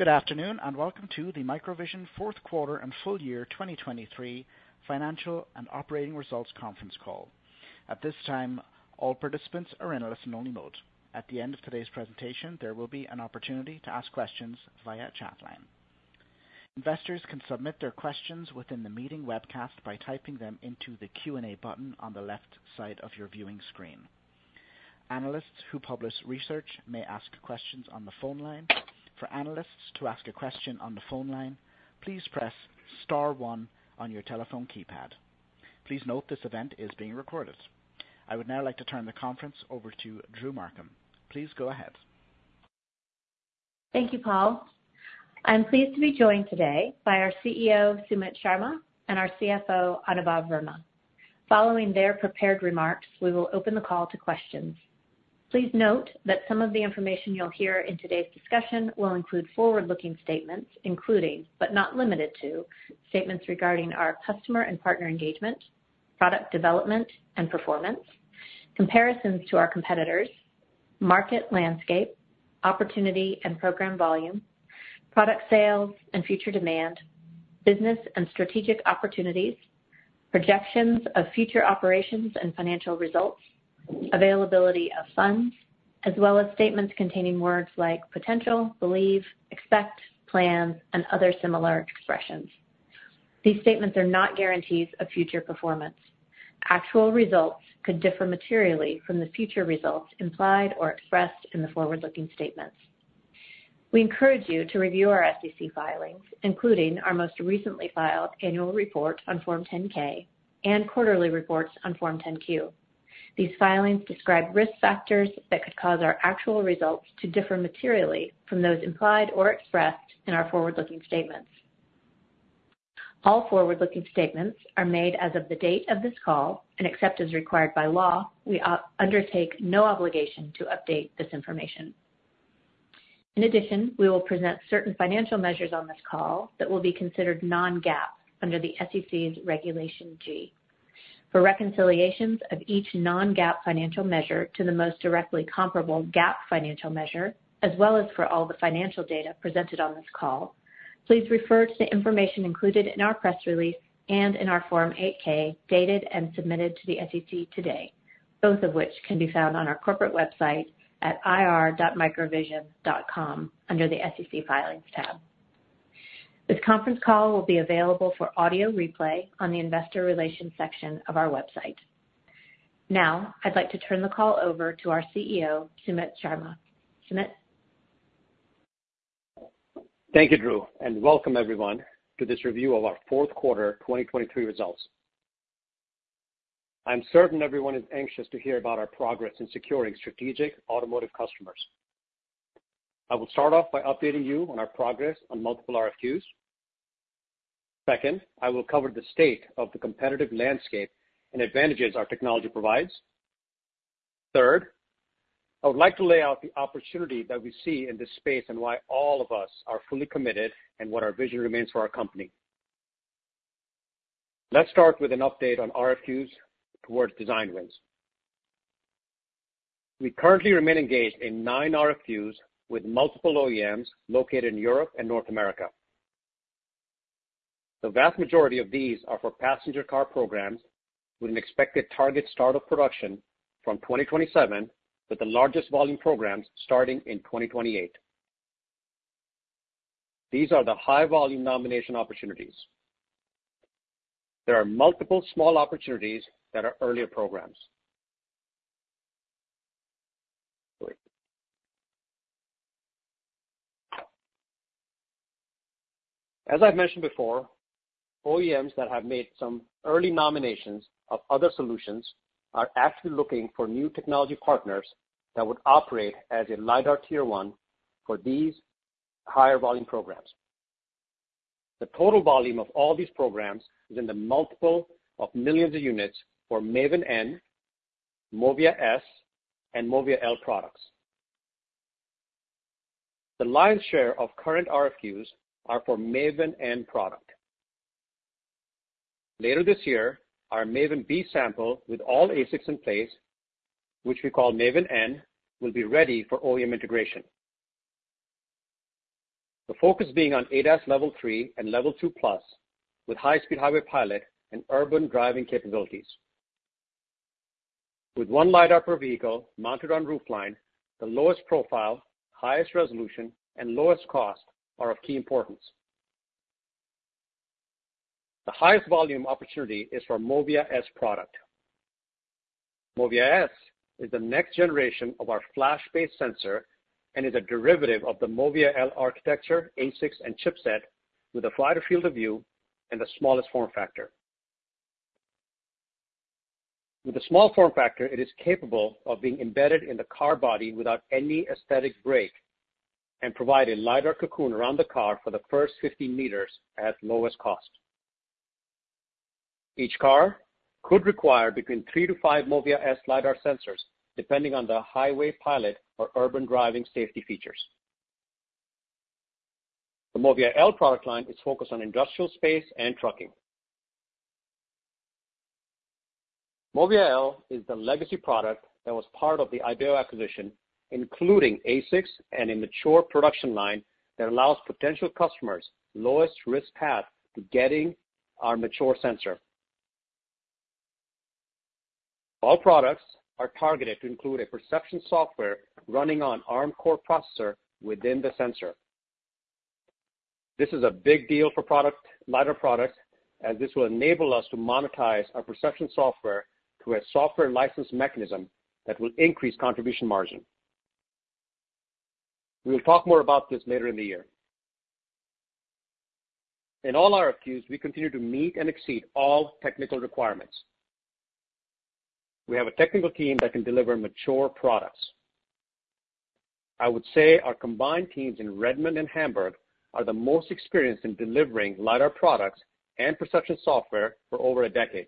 Good afternoon and welcome to the MicroVision fourth quarter and full year 2023 financial and operating results conference call. At this time, all participants are in listen-only mode. At the end of today's presentation, there will be an opportunity to ask questions via chat line. Investors can submit their questions within the meeting webcast by typing them into the Q&A button on the left side of your viewing screen. Analysts who publish research may ask questions on the phone line. For analysts to ask a question on the phone line, please press star one on your telephone keypad. Please note this event is being recorded. I would now like to turn the conference over to Drew Markham. Please go ahead. Thank you, Paul. I'm pleased to be joined today by our CEO, Sumit Sharma, and our CFO, Anubhav Verma. Following their prepared remarks, we will open the call to questions. Please note that some of the information you'll hear in today's discussion will include forward-looking statements, including, but not limited to, statements regarding our customer and partner engagement, product development and performance, comparisons to our competitors, market landscape, opportunity and program volume, product sales and future demand, business and strategic opportunities, projections of future operations and financial results, availability of funds, as well as statements containing words like potential, believe, expect, plan, and other similar expressions. These statements are not guarantees of future performance. Actual results could differ materially from the future results implied or expressed in the forward-looking statements. We encourage you to review our SEC filings, including our most recently filed annual report on Form 10-K and quarterly reports on Form 10-Q. These filings describe risk factors that could cause our actual results to differ materially from those implied or expressed in our forward-looking statements. All forward-looking statements are made as of the date of this call, and except as required by law, we undertake no obligation to update this information. In addition, we will present certain financial measures on this call that will be considered non-GAAP under the SEC's regulation G. For reconciliations of each non-GAAP financial measure to the most directly comparable GAAP financial measure, as well as for all the financial data presented on this call, please refer to the information included in our press release and in our Form 8-K dated and submitted to the SEC today, both of which can be found on our corporate website at ir.microvision.com under the SEC filings tab. This conference call will be available for audio replay on the investor relations section of our website. Now, I'd like to turn the call over to our CEO, Sumit Sharma. Sumit? Thank you, Drew, and welcome everyone to this review of our fourth quarter 2023 results. I'm certain everyone is anxious to hear about our progress in securing strategic automotive customers. I will start off by updating you on our progress on multiple RFQs. Second, I will cover the state of the competitive landscape and advantages our technology provides. Third, I would like to lay out the opportunity that we see in this space and why all of us are fully committed and what our vision remains for our company. Let's start with an update on RFQs towards design wins. We currently remain engaged in nine RFQs with multiple OEMs located in Europe and North America. The vast majority of these are for passenger car programs, with an expected target start of production from 2027, with the largest volume programs starting in 2028. These are the high-volume nomination opportunities. There are multiple small opportunities that are earlier programs. As I've mentioned before, OEMs that have made some early nominations of other solutions are actively looking for new technology partners that would operate as a LiDAR Tier 1 for these higher volume programs. The total volume of all these programs is in the multiple of millions of units for MAVIN, MOVIA S, and MOVIA L products. The lion's share of current RFQs are for MAVIN product. Later this year, our MAVIN B sample with all ASICs in place, which we call MAVIN, will be ready for OEM integration, the focus being on ADAS Level 3 and Level 2+ with high-speed highway pilot and urban driving capabilities. With one LiDAR per vehicle mounted on roofline, the lowest profile, highest resolution, and lowest cost are of key importance. The highest volume opportunity is for MOVIA S product. MOVIA S is the next generation of our flash-based sensor and is a derivative of the MOVIA L architecture ASICs and chipset with a wider field of view and the smallest form factor. With the small form factor, it is capable of being embedded in the car body without any aesthetic break and provide a LiDAR cocoon around the car for the first 50 meters at lowest cost. Each car could require between 3-5 MOVIA S LiDAR sensors, depending on the highway pilot or urban driving safety features. The MOVIA L product line is focused on industrial space and trucking. MOVIA L is the legacy product that was part of the Ibeo acquisition, including ASICs and a mature production line that allows potential customers lowest risk path to getting our mature sensor. All products are targeted to include a perception software running on ARM Core Processor within the sensor. This is a big deal for LiDAR products, as this will enable us to monetize our perception software through a software license mechanism that will increase contribution margin. We will talk more about this later in the year. In all RFQs, we continue to meet and exceed all technical requirements. We have a technical team that can deliver mature products. I would say our combined teams in Redmond and Hamburg are the most experienced in delivering LiDAR products and perception software for over a decade.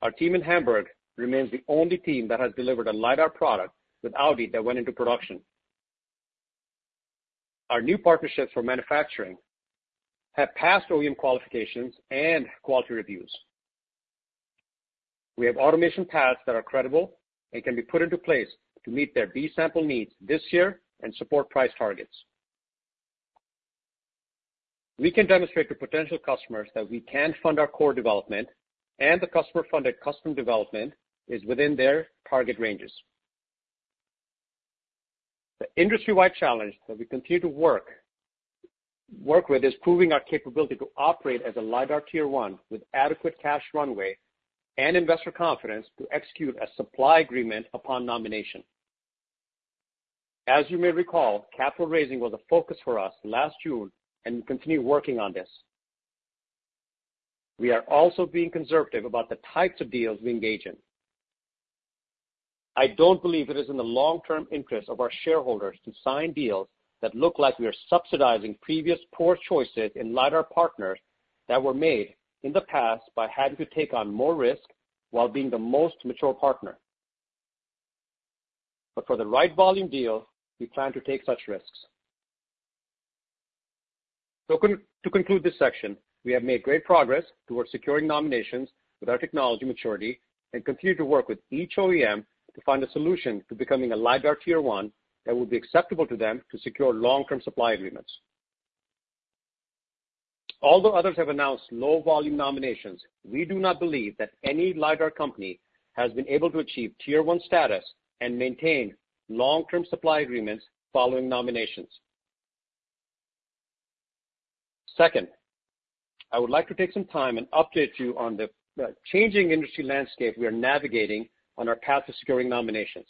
Our team in Hamburg remains the only team that has delivered a LiDAR product with Audi that went into production. Our new partnerships for manufacturing have passed OEM qualifications and quality reviews. We have automation paths that are credible and can be put into place to meet their B Sample needs this year and support price targets. We can demonstrate to potential customers that we can fund our core development and the customer-funded custom development is within their target ranges. The industry-wide challenge that we continue to work with is proving our capability to operate as a LiDAR Tier 1 with adequate cash runway and investor confidence to execute a supply agreement upon nomination. As you may recall, capital raising was a focus for us last June and we continue working on this. We are also being conservative about the types of deals we engage in. I don't believe it is in the long-term interest of our shareholders to sign deals that look like we are subsidizing previous poor choices in LiDAR partners that were made in the past by having to take on more risk while being the most mature partner. But for the right volume deal, we plan to take such risks. To conclude this section, we have made great progress towards securing nominations with our technology maturity and continue to work with each OEM to find a solution to becoming a LiDAR Tier 1 that will be acceptable to them to secure long-term supply agreements. Although others have announced low-volume nominations, we do not believe that any LiDAR company has been able to achieve Tier 1 status and maintain long-term supply agreements following nominations. Second, I would like to take some time and update you on the changing industry landscape we are navigating on our path to securing nominations.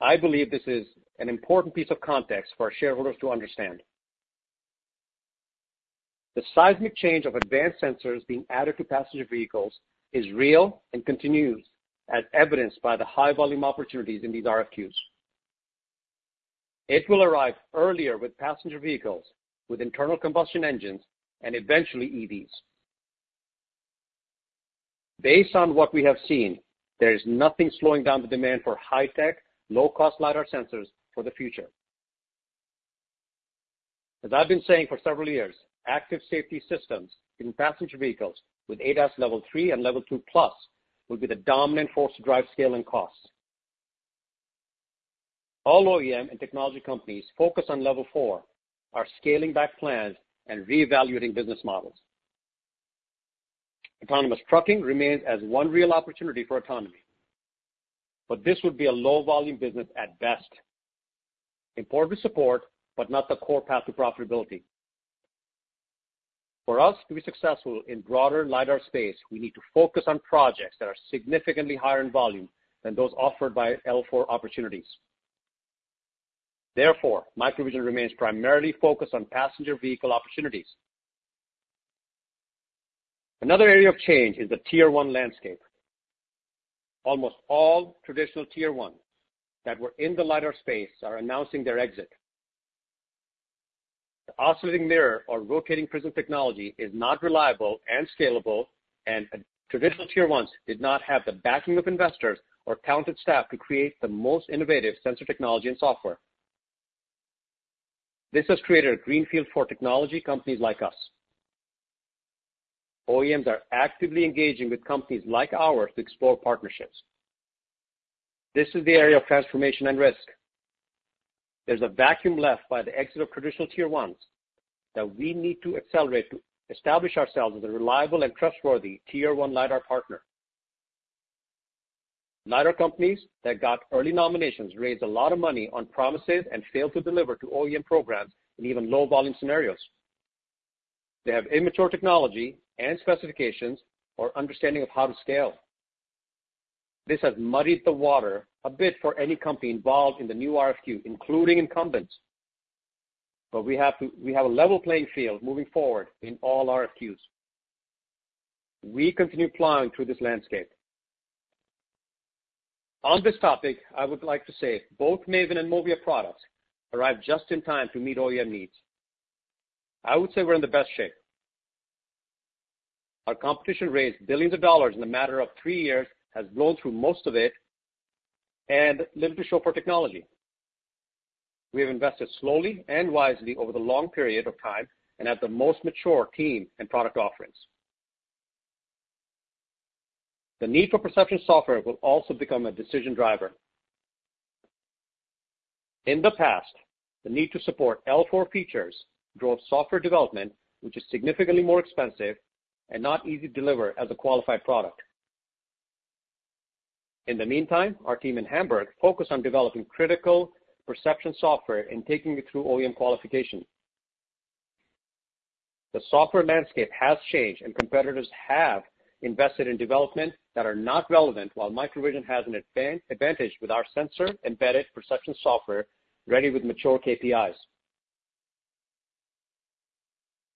I believe this is an important piece of context for our shareholders to understand. The seismic change of advanced sensors being added to passenger vehicles is real and continues, as evidenced by the high-volume opportunities in these RFQs. It will arrive earlier with passenger vehicles with internal combustion engines and eventually EVs. Based on what we have seen, there is nothing slowing down the demand for high-tech, low-cost LiDAR sensors for the future. As I've been saying for several years, active safety systems in passenger vehicles with ADAS Level 3 and Level 2+ will be the dominant force to drive scale and cost. All OEM and technology companies focused on Level 4 are scaling back plans and reevaluating business models. Autonomous trucking remains as one real opportunity for autonomy, but this would be a low-volume business at best. Important to support, but not the core path to profitability. For us to be successful in broader LiDAR space, we need to focus on projects that are significantly higher in volume than those offered by L4 opportunities. Therefore, MicroVision remains primarily focused on passenger vehicle opportunities. Another area of change is the Tier 1 landscape. Almost all traditional Tier 1 that were in the LiDAR space are announcing their exit. The oscillating mirror or rotating prism technology is not reliable and scalable, and traditional Tier 1s did not have the backing of investors or talented staff to create the most innovative sensor technology and software. This has created a greenfield for technology companies like us. OEMs are actively engaging with companies like ours to explore partnerships. This is the area of transformation and risk. There's a vacuum left by the exit of traditional Tier 1s that we need to accelerate to establish ourselves as a reliable and trustworthy Tier 1 LiDAR partner. LiDAR companies that got early nominations raised a lot of money on promises and failed to deliver to OEM programs in even low-volume scenarios. They have immature technology and specifications or understanding of how to scale. This has muddied the water a bit for any company involved in the new RFQ, including incumbents. But we have a level playing field moving forward in all RFQs. We continue plowing through this landscape. On this topic, I would like to say both Mavin and MOVIA products arrived just in time to meet OEM needs. I would say we're in the best shape. Our competition raised $ billions in a matter of three years, has blown through most of it, and little to show for technology. We have invested slowly and wisely over the long period of time and have the most mature team and product offerings. The need for perception software will also become a decision driver. In the past, the need to support L4 features drove software development, which is significantly more expensive and not easy to deliver as a qualified product. In the meantime, our team in Hamburg focused on developing critical perception software and taking it through OEM qualification. The software landscape has changed, and competitors have invested in development that are not relevant, while MicroVision has an advantage with our sensor-embedded perception software ready with mature KPIs.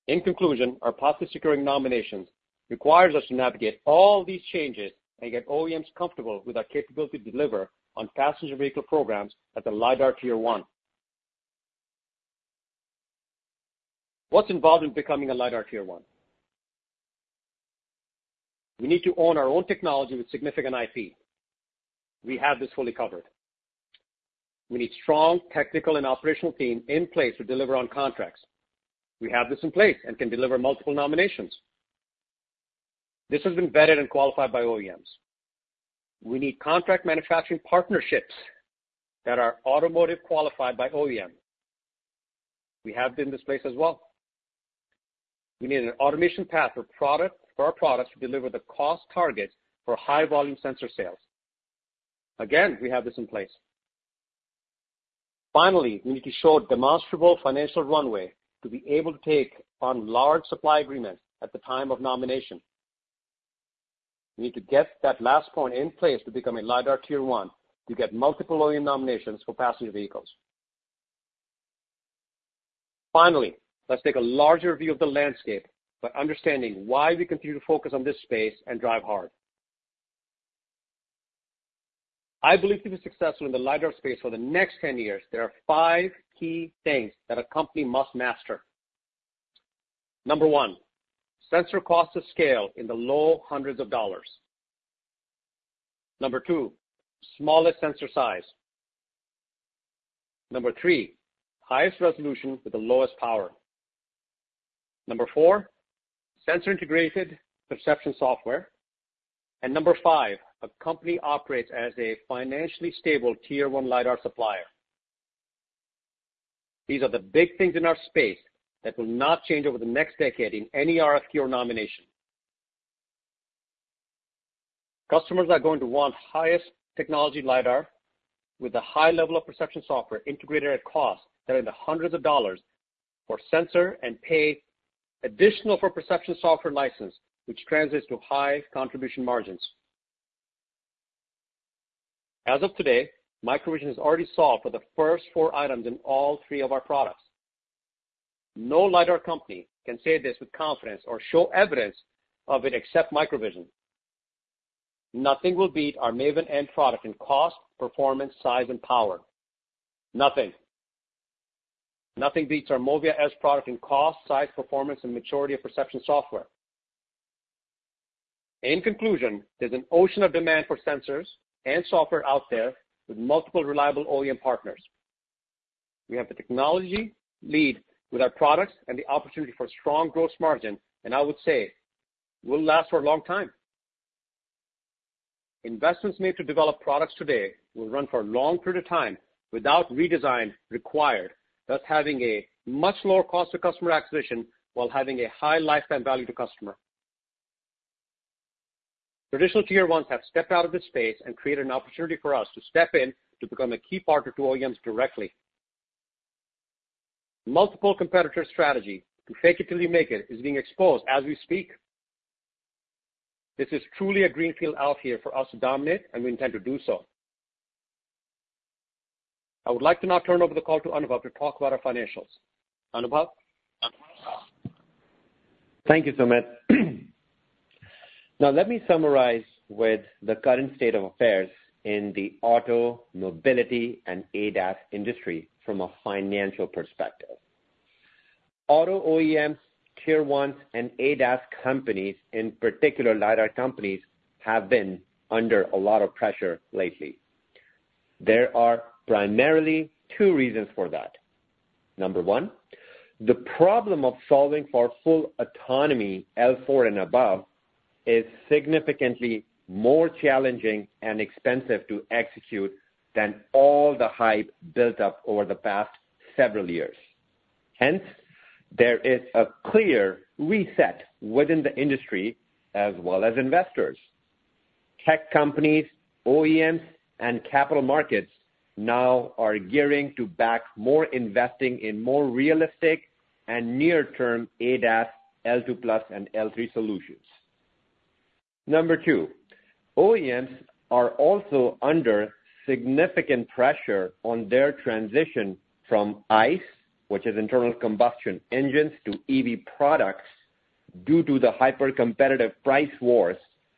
In conclusion, our path to securing nominations requires us to navigate all these changes and get OEMs comfortable with our capability to deliver on passenger vehicle programs at the LiDAR Tier 1. What's involved in becoming a LiDAR Tier 1? We need to own our own technology with significant IP. We have this fully covered. We need a strong technical and operational team in place to deliver on contracts. We have this in place and can deliver multiple nominations. This has been vetted and qualified by OEMs. We need contract manufacturing partnerships that are automotive qualified by OEM. We have been in this place as well. We need an automation path for our products to deliver the cost targets for high-volume sensor sales. Again, we have this in place. Finally, we need to show demonstrable financial runway to be able to take on large supply agreements at the time of nomination. We need to get that last point in place to become a LiDAR Tier 1 to get multiple OEM nominations for passenger vehicles. Finally, let's take a larger view of the landscape by understanding why we continue to focus on this space and drive hard. I believe to be successful in the LiDAR space for the next 10 years, there are five key things that a company must master. Number one, sensor costs of scale in the low $100s. Number two, smallest sensor size. Number three, highest resolution with the lowest power. Number four, sensor-integrated perception software. And Number five, a company operates as a financially stable Tier 1 LiDAR supplier. These are the big things in our space that will not change over the next decade in any RFQ or nomination. Customers are going to want highest technology LiDAR with a high level of perception software integrated at costs that are in the hundreds of dollars for sensor and pay additional for perception software license, which translates to high contribution margins. As of today, MicroVision has already solved for the first four items in all three of our products. No LiDAR company can say this with confidence or show evidence of it except MicroVision. Nothing will beat our MAVIN product in cost, performance, size, and power. Nothing. Nothing beats our MOVIA S product in cost, size, performance, and maturity of perception software. In conclusion, there's an ocean of demand for sensors and software out there with multiple reliable OEM partners. We have the technology lead with our products and the opportunity for strong gross margin, and I would say will last for a long time. Investments made to develop products today will run for a long period of time without redesign required, thus having a much lower cost to customer acquisition while having a high lifetime value to customer. Traditional Tier 1 suppliers have stepped out of this space and created an opportunity for us to step in to become a key partner to OEMs directly. Multiple competitors' strategy to fake it till you make it is being exposed as we speak. This is truly a greenfield out here for us to dominate, and we intend to do so. I would like to now turn over the call to Anubhav to talk about our financials. Anubhav? Thank you, Sumit. Now, let me summarize with the current state of affairs in the auto, mobility, and ADAS industry from a financial perspective. Auto OEMs, Tier 1s, and ADAS companies, in particular LiDAR companies, have been under a lot of pressure lately. There are primarily two reasons for that. Number one, the problem of solving for full autonomy L4 and above is significantly more challenging and expensive to execute than all the hype built up over the past several years. Hence, there is a clear reset within the industry as well as investors. Tech companies, OEMs, and capital markets now are gearing to back more investing in more realistic and near-term ADAS L2+ and L3 solutions. Number two, OEMs are also under significant pressure on their transition from ICE, which is internal combustion engines, to EV products due to the hyper-competitive price wars,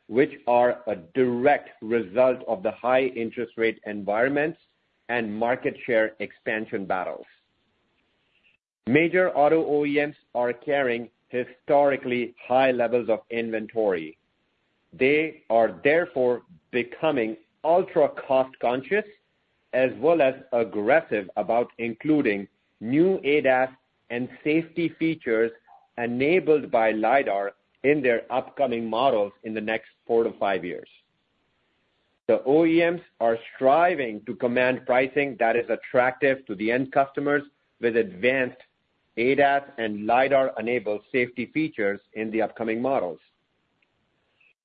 which are a direct result of the high interest rate environments and market share expansion battles. Major auto OEMs are carrying historically high levels of inventory. They are therefore becoming ultra-cost conscious as well as aggressive about including new ADAS and safety features enabled by LiDAR in their upcoming models in the next 4 years-5 years. The OEMs are striving to command pricing that is attractive to the end customers with advanced ADAS and LiDAR-enabled safety features in the upcoming models.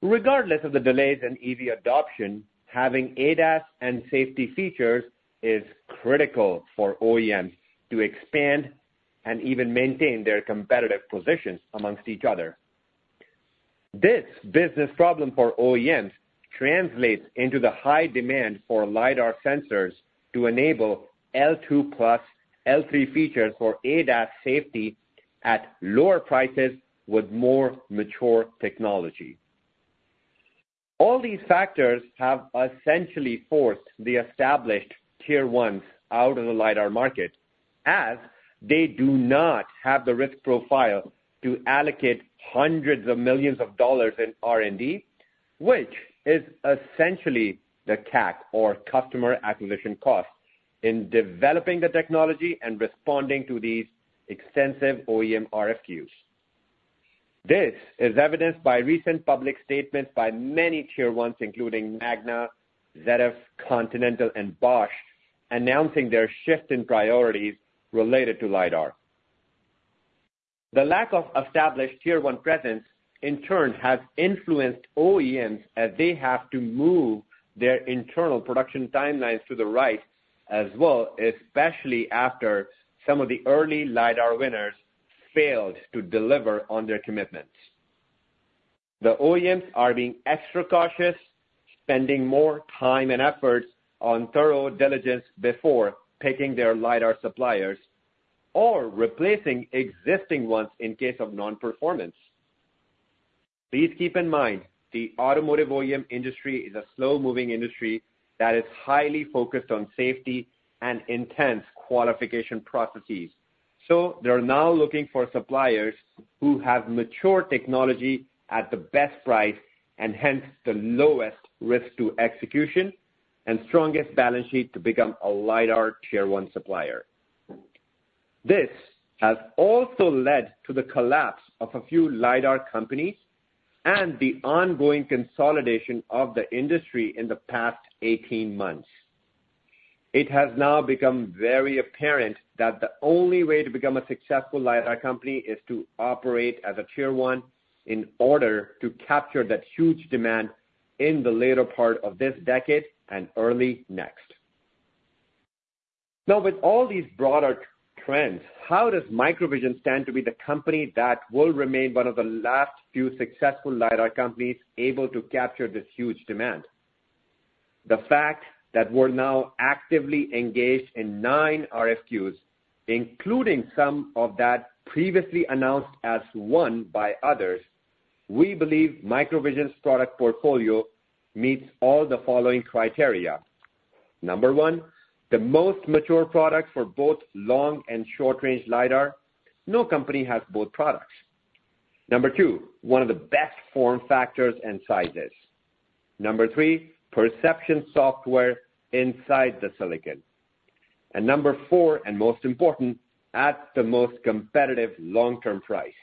Regardless of the delays in EV adoption, having ADAS and safety features is critical for OEMs to expand and even maintain their competitive positions amongst each other. This business problem for OEMs translates into the high demand for LiDAR sensors to enable L2+ L3 features for ADAS safety at lower prices with more mature technology. All these factors have essentially forced the established Tier 1s out of the LiDAR market, as they do not have the risk profile to allocate hundreds of millions of dollars in R&D, which is essentially the CAC or customer acquisition cost in developing the technology and responding to these extensive OEM RFQs. This is evidenced by recent public statements by many Tier 1s, including Magna, ZF, Continental, and Bosch, announcing their shift in priorities related to LiDAR. The lack of established Tier 1 presence, in turn, has influenced OEMs as they have to move their internal production timelines to the right, especially after some of the early LiDAR winners failed to deliver on their commitments. The OEMs are being extra cautious, spending more time and efforts on thorough diligence before picking their LiDAR suppliers or replacing existing ones in case of non-performance. Please keep in mind the automotive OEM industry is a slow-moving industry that is highly focused on safety and intense qualification processes. They're now looking for suppliers who have mature technology at the best price and hence the lowest risk to execution and strongest balance sheet to become a LiDAR Tier 1 supplier. This has also led to the collapse of a few LiDAR companies and the ongoing consolidation of the industry in the past 18 months. It has now become very apparent that the only way to become a successful LiDAR company is to operate as a Tier 1 in order to capture that huge demand in the later part of this decade and early next. Now, with all these broader trends, how does MicroVision stand to be the company that will remain one of the last few successful LiDAR companies able to capture this huge demand? The fact that we're now actively engaged in 9 RFQs, including some of that previously announced as one by others, we believe MicroVision's product portfolio meets all the following criteria. Number one, the most mature products for both long and short-range LiDAR, no company has both products. Number two, one of the best form factors and sizes. Number three, perception software inside the silicon. And number four, and most important, at the most competitive long-term price.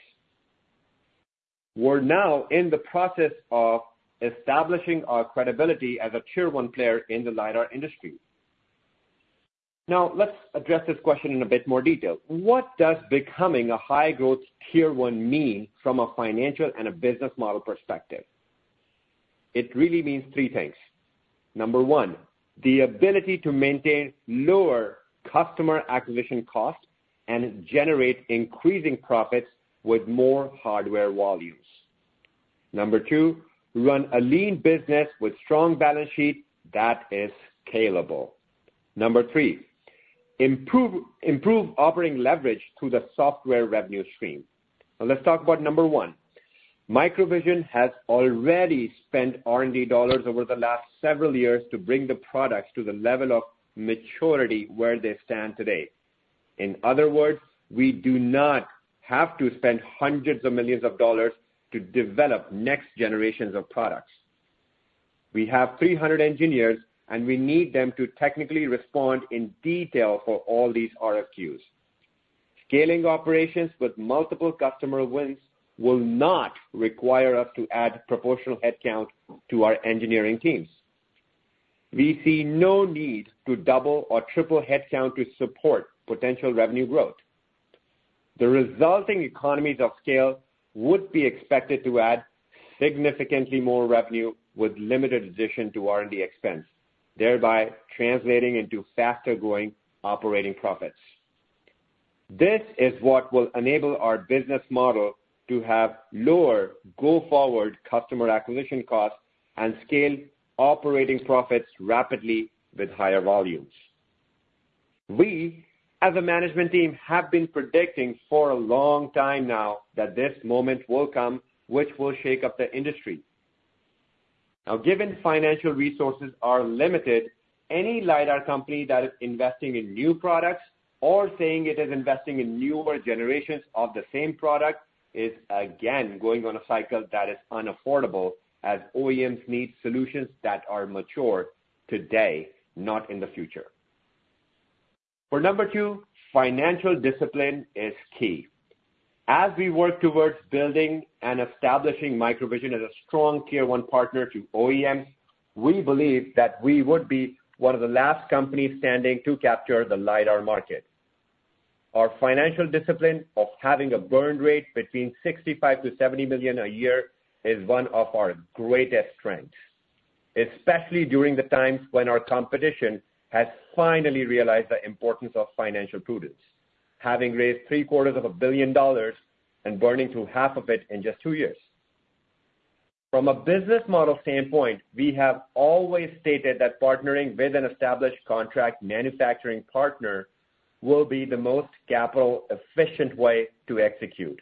We're now in the process of establishing our credibility as a Tier 1 player in the LiDAR industry. Now, let's address this question in a bit more detail. What does becoming a high-growth Tier 1 mean from a financial and a business model perspective? It really means three things. Number one, the ability to maintain lower customer acquisition costs and generate increasing profits with more hardware volumes. Number two, run a lean business with strong balance sheet that is scalable. Number three, improve operating leverage through the software revenue stream. Now, let's talk about number one. MicroVision has already spent R&D dollars over the last several years to bring the products to the level of maturity where they stand today. In other words, we do not have to spend hundreds of millions of dollars to develop next generations of products. We have 300 engineers, and we need them to technically respond in detail for all these RFQs. Scaling operations with multiple customer wins will not require us to add proportional headcount to our engineering teams. We see no need to double or triple headcount to support potential revenue growth. The resulting economies of scale would be expected to add significantly more revenue with limited addition to R&D expense, thereby translating into faster-growing operating profits. This is what will enable our business model to have lower go-forward customer acquisition costs and scale operating profits rapidly with higher volumes. We, as a management team, have been predicting for a long time now that this moment will come, which will shake up the industry. Now, given financial resources are limited, any LiDAR company that is investing in new products or saying it is investing in newer generations of the same product is, again, going on a cycle that is unaffordable as OEMs need solutions that are mature today, not in the future. For number two, financial discipline is key. As we work towards building and establishing MicroVision as a strong Tier 1 partner to OEMs, we believe that we would be one of the last companies standing to capture the LiDAR market. Our financial discipline of having a burn rate between $65 million-$70 million a year is one of our greatest strengths, especially during the times when our competition has finally realized the importance of financial prudence, having raised $750 million and burning through half of it in just two years. From a business model standpoint, we have always stated that partnering with an established contract manufacturing partner will be the most capital-efficient way to execute.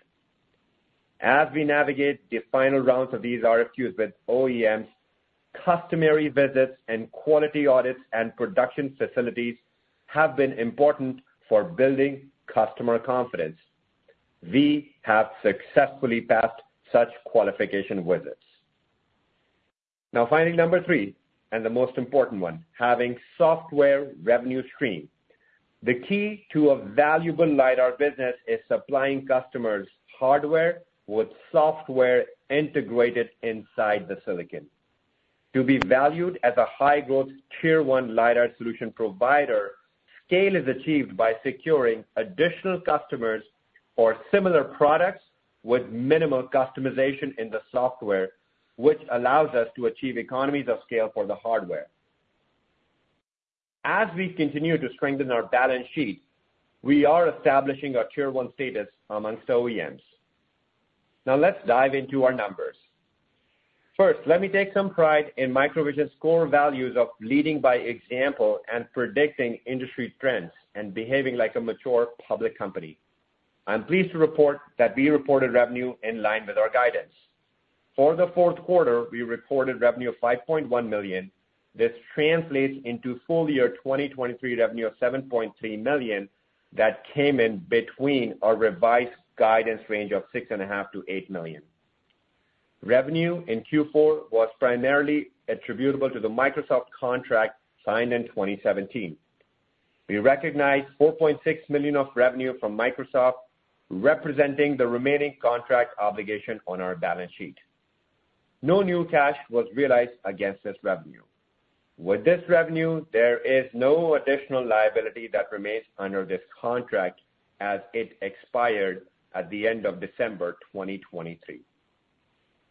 As we navigate the final rounds of these RFQs with OEMs, customary visits and quality audits and production facilities have been important for building customer confidence. We have successfully passed such qualification visits. Now, finding number three and the most important one, having software revenue stream. The key to a valuable LiDAR business is supplying customers hardware with software integrated inside the silicon. To be valued as a high-growth Tier 1 LiDAR solution provider, scale is achieved by securing additional customers for similar products with minimal customization in the software, which allows us to achieve economies of scale for the hardware. As we continue to strengthen our balance sheet, we are establishing our Tier 1 status amongst OEMs. Now, let's dive into our numbers. First, let me take some pride in MicroVision's core values of leading by example and predicting industry trends and behaving like a mature public company. I'm pleased to report that we reported revenue in line with our guidance. For the fourth quarter, we recorded revenue of $5.1 million. This translates into full year 2023 revenue of $7.3 million that came in between our revised guidance range of $6.5 million-$8 million. Revenue in Q4 was primarily attributable to the Microsoft contract signed in 2017. We recognize $4.6 million of revenue from Microsoft representing the remaining contract obligation on our balance sheet. No new cash was realized against this revenue. With this revenue, there is no additional liability that remains under this contract as it expired at the end of December 2023.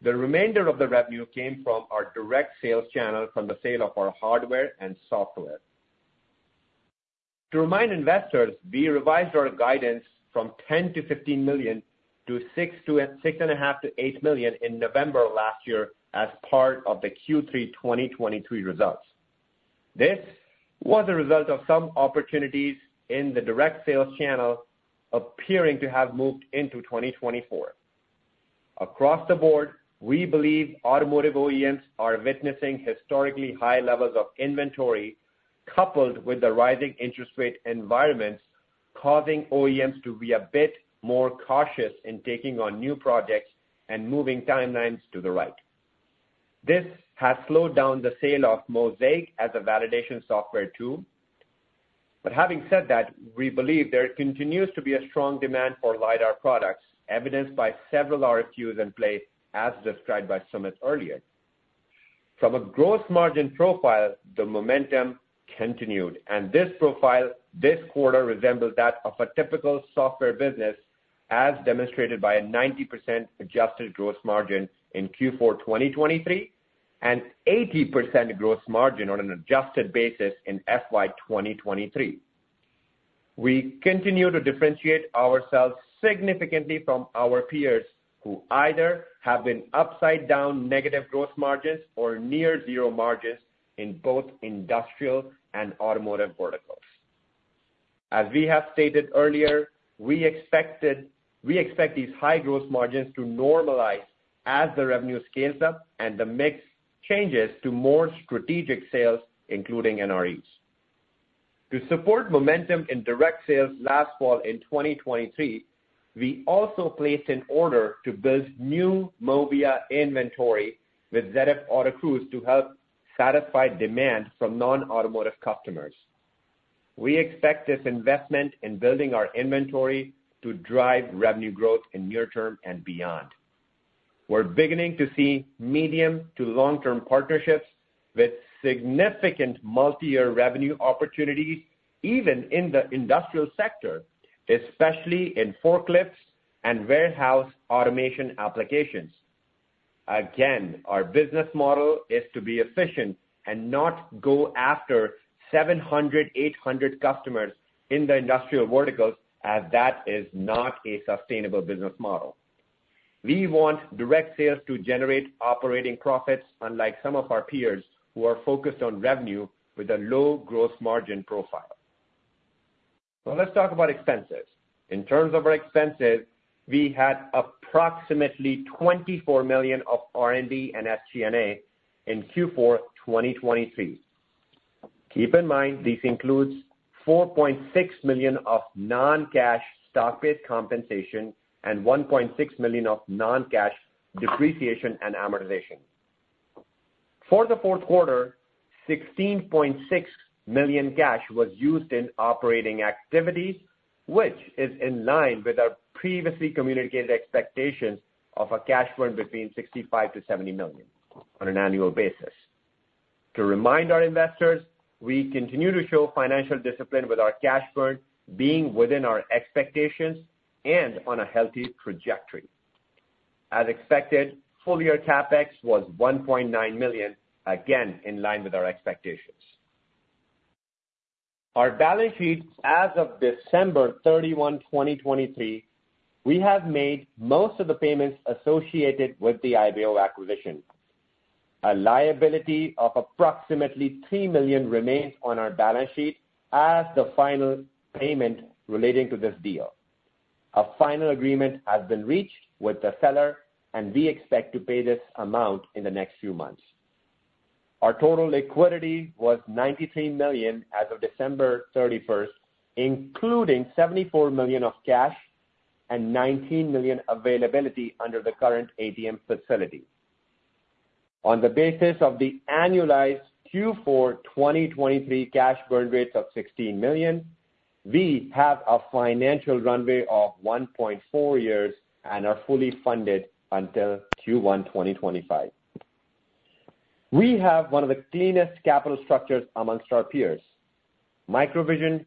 The remainder of the revenue came from our direct sales channel from the sale of our hardware and software. To remind investors, we revised our guidance from $10 million-$15 million to $6.5 million-$8 million in November last year as part of the Q3 2023 results. This was a result of some opportunities in the direct sales channel appearing to have moved into 2024. Across the board, we believe automotive OEMs are witnessing historically high levels of inventory coupled with the rising interest rate environments causing OEMs to be a bit more cautious in taking on new projects and moving timelines to the right. This has slowed down the sale of MOSAIC as a validation software tool. But having said that, we believe there continues to be a strong demand for LiDAR products, evidenced by several RFQs in play as described by Sumit earlier. From a gross margin profile, the momentum continued. This profile, this quarter, resembled that of a typical software business as demonstrated by a 90% adjusted gross margin in Q4 2023 and 80% gross margin on an adjusted basis in FY 2023. We continue to differentiate ourselves significantly from our peers who either have been upside-down negative gross margins or near-zero margins in both industrial and automotive verticals. As we have stated earlier, we expect these high gross margins to normalize as the revenue scales up and the mix changes to more strategic sales, including NREs. To support momentum in direct sales last fall in 2023, we also placed an order to build new MOVIA inventory with ZF Autocruise to help satisfy demand from non-automotive customers. We expect this investment in building our inventory to drive revenue growth in near-term and beyond. We're beginning to see medium to long-term partnerships with significant multi-year revenue opportunities, even in the industrial sector, especially in forklifts and warehouse automation applications. Again, our business model is to be efficient and not go after 700, 800 customers in the industrial verticals, as that is not a sustainable business model. We want direct sales to generate operating profits unlike some of our peers who are focused on revenue with a low gross margin profile. Now, let's talk about expenses. In terms of our expenses, we had approximately $24 million of R&D and SG&A in Q4 2023. Keep in mind this includes $4.6 million of non-cash stock-based compensation and $1.6 million of non-cash depreciation and amortization. For the fourth quarter, $16.6 million cash was used in operating activities, which is in line with our previously communicated expectations of a cash burn between $65 million-$70 million on an annual basis. To remind our investors, we continue to show financial discipline with our cash burn being within our expectations and on a healthy trajectory. As expected, full year CapEx was $1.9 million, again in line with our expectations. Our balance sheet as of December 31st, 2023, we have made most of the payments associated with the Ibeo acquisition. A liability of approximately $3 million remains on our balance sheet as the final payment relating to this deal. A final agreement has been reached with the seller, and we expect to pay this amount in the next few months. Our total liquidity was $93 million as of December 31st, including $74 million of cash and $19 million availability under the current ATM facility. On the basis of the annualized Q4 2023 cash burn rates of $16 million, we have a financial runway of 1.4 years and are fully funded until Q1 2025. We have one of the cleanest capital structures amongst our peers. MicroVision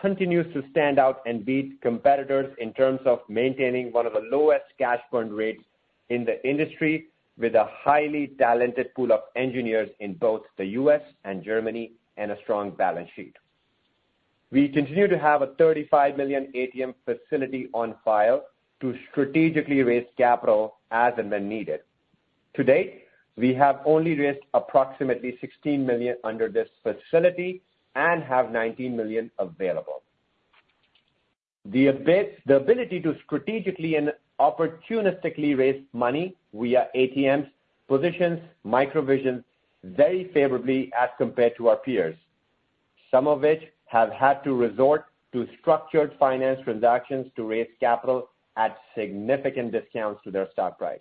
continues to stand out and beat competitors in terms of maintaining one of the lowest cash burn rates in the industry with a highly talented pool of engineers in both the U.S. and Germany and a strong balance sheet. We continue to have a $35 million ATM facility on file to strategically raise capital as and when needed. To date, we have only raised approximately $16 million under this facility and have $19 million available. The ability to strategically and opportunistically raise money via ATMs positions MicroVision very favorably as compared to our peers, some of which have had to resort to structured finance transactions to raise capital at significant discounts to their stock price.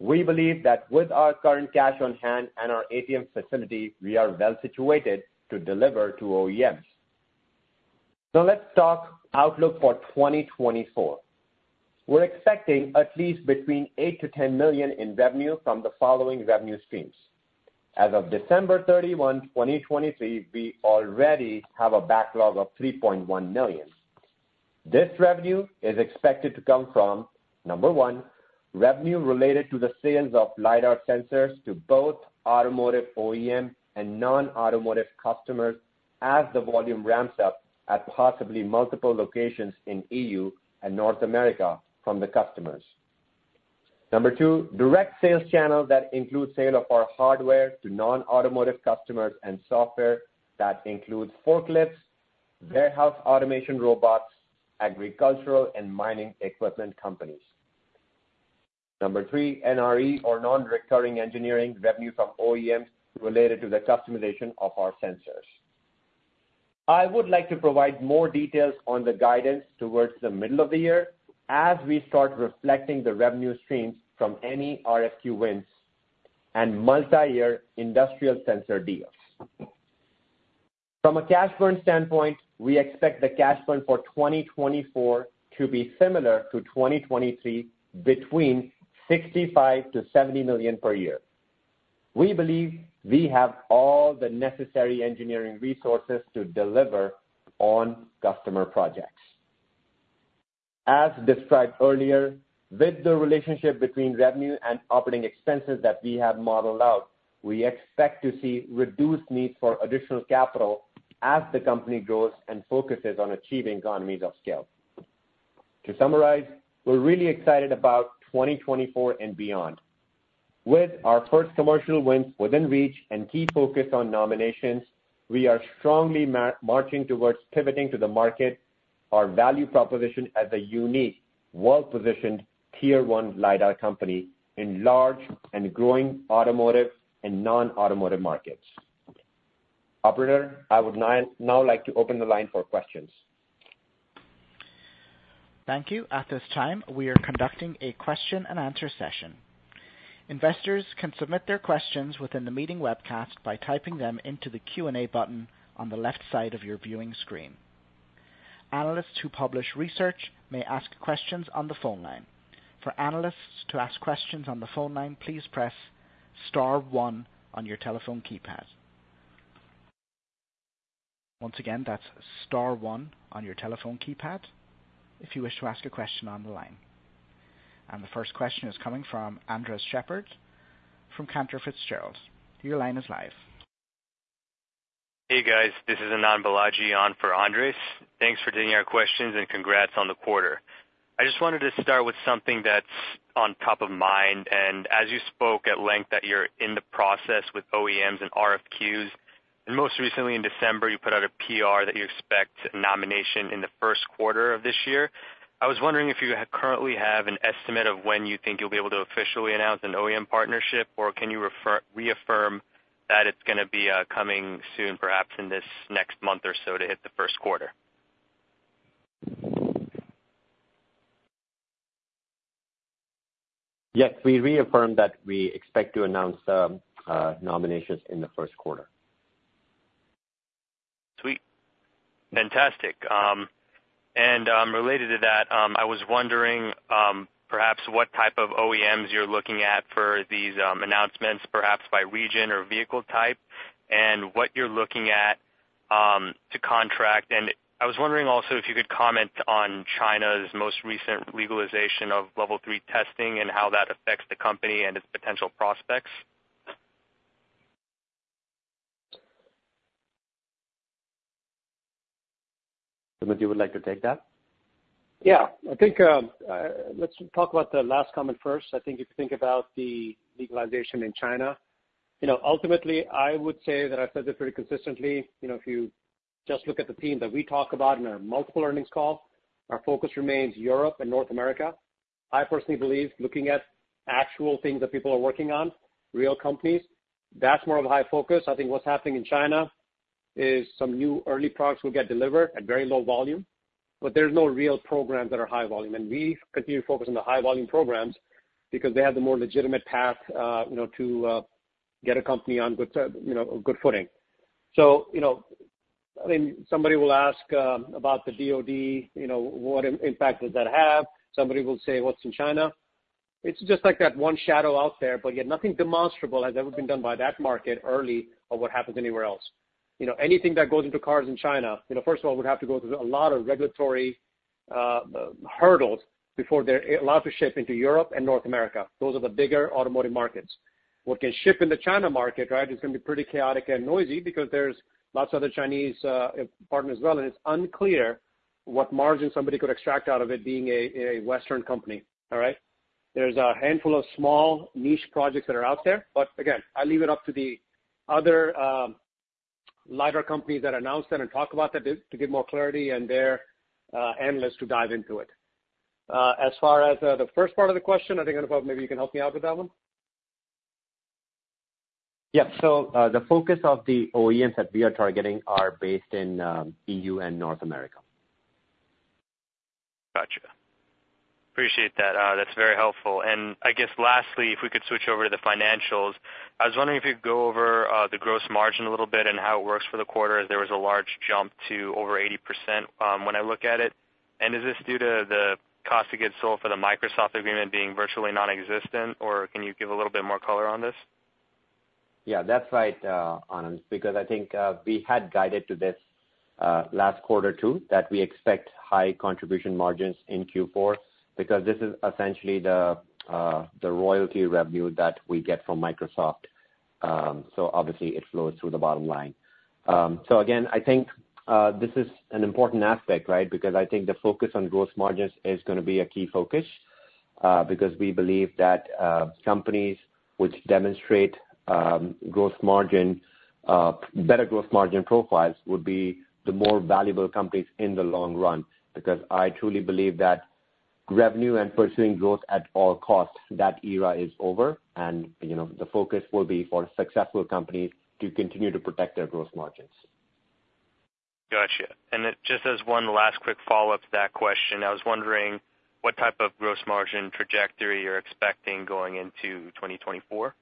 We believe that with our current cash on hand and our ATM facility, we are well situated to deliver to OEMs. Now, let's talk outlook for 2024. We're expecting at least between $8 million-$10 million in revenue from the following revenue streams. As of December 31st, 2023, we already have a backlog of $3.1 million. This revenue is expected to come from, number one, revenue related to the sales of LiDAR sensors to both automotive OEM and non-automotive customers as the volume ramps up at possibly multiple locations in EU and North America from the customers. Number two, direct sales channel that includes sale of our hardware to non-automotive customers and software that includes forklifts, warehouse automation robots, agricultural and mining equipment companies. Number three, NRE or non-recurring engineering revenue from OEMs related to the customization of our sensors. I would like to provide more details on the guidance towards the middle of the year as we start reflecting the revenue streams from any RFQ wins and multi-year industrial sensor deals. From a cash burn standpoint, we expect the cash burn for 2024 to be similar to 2023 between $65 million-$70 million per year. We believe we have all the necessary engineering resources to deliver on customer projects. As described earlier, with the relationship between revenue and operating expenses that we have modeled out, we expect to see reduced needs for additional capital as the company grows and focuses on achieving economies of scale. To summarize, we're really excited about 2024 and beyond. With our first commercial wins within reach and key focus on nominations, we are strongly marching towards pivoting to the market our value proposition as a unique, well-positioned Tier 1 LiDAR company in large and growing automotive and non-automotive markets. Operator, I would now like to open the line for questions. Thank you. At this time, we are conducting a question and answer session. Investors can submit their questions within the meeting webcast by typing them into the Q&A button on the left side of your viewing screen. Analysts who publish research may ask questions on the phone line. For analysts to ask questions on the phone line, please press star one on your telephone keypad. Once again, that's star one on your telephone keypad if you wish to ask a question on the line. And the first question is coming from Andres Sheppard from Cantor Fitzgerald. Your line is live. Hey, guys. This is Anubhav Verma on for Andreas. Thanks for taking our questions and congrats on the quarter. I just wanted to start with something that's on top of mind. As you spoke at length that you're in the process with OEMs and RFQs, and most recently in December, you put out a PR that you expect nomination in the first quarter of this year. I was wondering if you currently have an estimate of when you think you'll be able to officially announce an OEM partnership, or can you reaffirm that it's going to be coming soon, perhaps in this next month or so to hit the first quarter? Yes, we reaffirm that we expect to announce nominations in the first quarter. Sweet. Fantastic. Related to that, I was wondering perhaps what type of OEMs you're looking at for these announcements, perhaps by region or vehicle type, and what you're looking at to contract. I was wondering also if you could comment on China's most recent legalization of Level 3 testing and how that affects the company and its potential prospects. Sumit, you would like to take that? Yeah. I think let's talk about the last comment first. I think if you think about the legalization in China, ultimately, I would say that I've said this pretty consistently. If you just look at the time that we talk about in our multiple earnings calls, our focus remains Europe and North America. I personally believe looking at actual things that people are working on, real companies, that's more of a high focus. I think what's happening in China is some new early products will get delivered at very low volume, but there's no real programs that are high volume. And we continue to focus on the high volume programs because they have the more legitimate path to get a company on good footing. So I mean, somebody will ask about the DOD, what impact does that have? Somebody will say, "What's in China?" It's just like that one shadow out there, but yet nothing demonstrable has ever been done by that market early of what happens anywhere else. Anything that goes into cars in China, first of all, would have to go through a lot of regulatory hurdles before they're allowed to ship into Europe and North America. Those are the bigger automotive markets. What can ship in the China market, right, is going to be pretty chaotic and noisy because there's lots of other Chinese partners as well, and it's unclear what margin somebody could extract out of it being a Western company. All right? There's a handful of small niche projects that are out there. But again, I leave it up to the other LiDAR companies that announce that and talk about that to give more clarity and their analysts to dive into it. As far as the first part of the question, I think, Anubhav, maybe you can help me out with that one. Yep. So the focus of the OEMs that we are targeting are based in EU and North America. Gotcha. Appreciate that. That's very helpful. I guess lastly, if we could switch over to the financials, I was wondering if you could go over the gross margin a little bit and how it works for the quarter as there was a large jump to over 80% when I look at it. Is this due to the cost to get sold for the Microsoft agreement being virtually nonexistent, or can you give a little bit more color on this? Yeah, that's right, Anubhav, because I think we had guided to this last quarter too that we expect high contribution margins in Q4 because this is essentially the royalty revenue that we get from Microsoft. So obviously, it flows through the bottom line. So again, I think this is an important aspect, right, because I think the focus on gross margins is going to be a key focus because we believe that companies which demonstrate better gross margin profiles would be the more valuable companies in the long run because I truly believe that revenue and pursuing growth at all costs, that era is over, and the focus will be for successful companies to continue to protect their gross margins. Gotcha. Just as one last quick follow-up to that question, I was wondering what type of gross margin trajectory you're expecting going into 2024?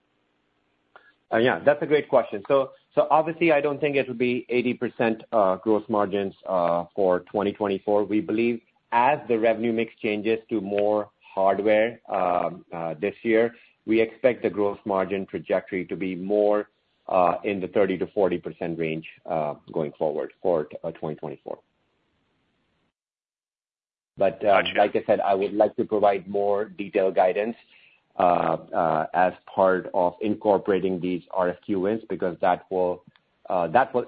Yeah, that's a great question. So obviously, I don't think it will be 80% gross margins for 2024. We believe as the revenue mix changes to more hardware this year, we expect the gross margin trajectory to be more in the 30%-40% range going forward for 2024. But like I said, I would like to provide more detailed guidance as part of incorporating these RFQ wins because that will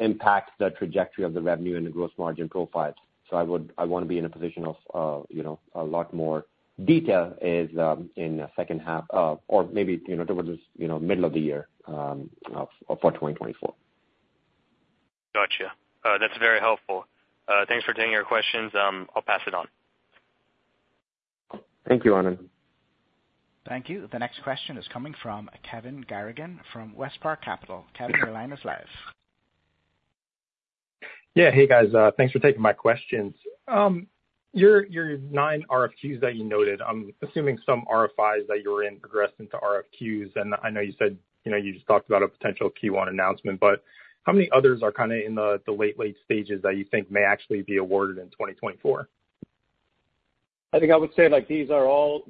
impact the trajectory of the revenue and the gross margin profiles. So I want to be in a position of a lot more detail in the second half or maybe towards the middle of the year for 2024. Gotcha. That's very helpful. Thanks for taking your questions. I'll pass it on. Thank you, Anubhav. Thank you. The next question is coming from Kevin Garrigan from WestPark Capital. Kevin, your line is live. Yeah. Hey, guys. Thanks for taking my questions. Your nine RFQs that you noted, I'm assuming some RFIs that you're in progress into RFQs, and I know you said you just talked about a potential Q1 announcement, but how many others are kind of in the late, late stages that you think may actually be awarded in 2024? I think I would say these are all;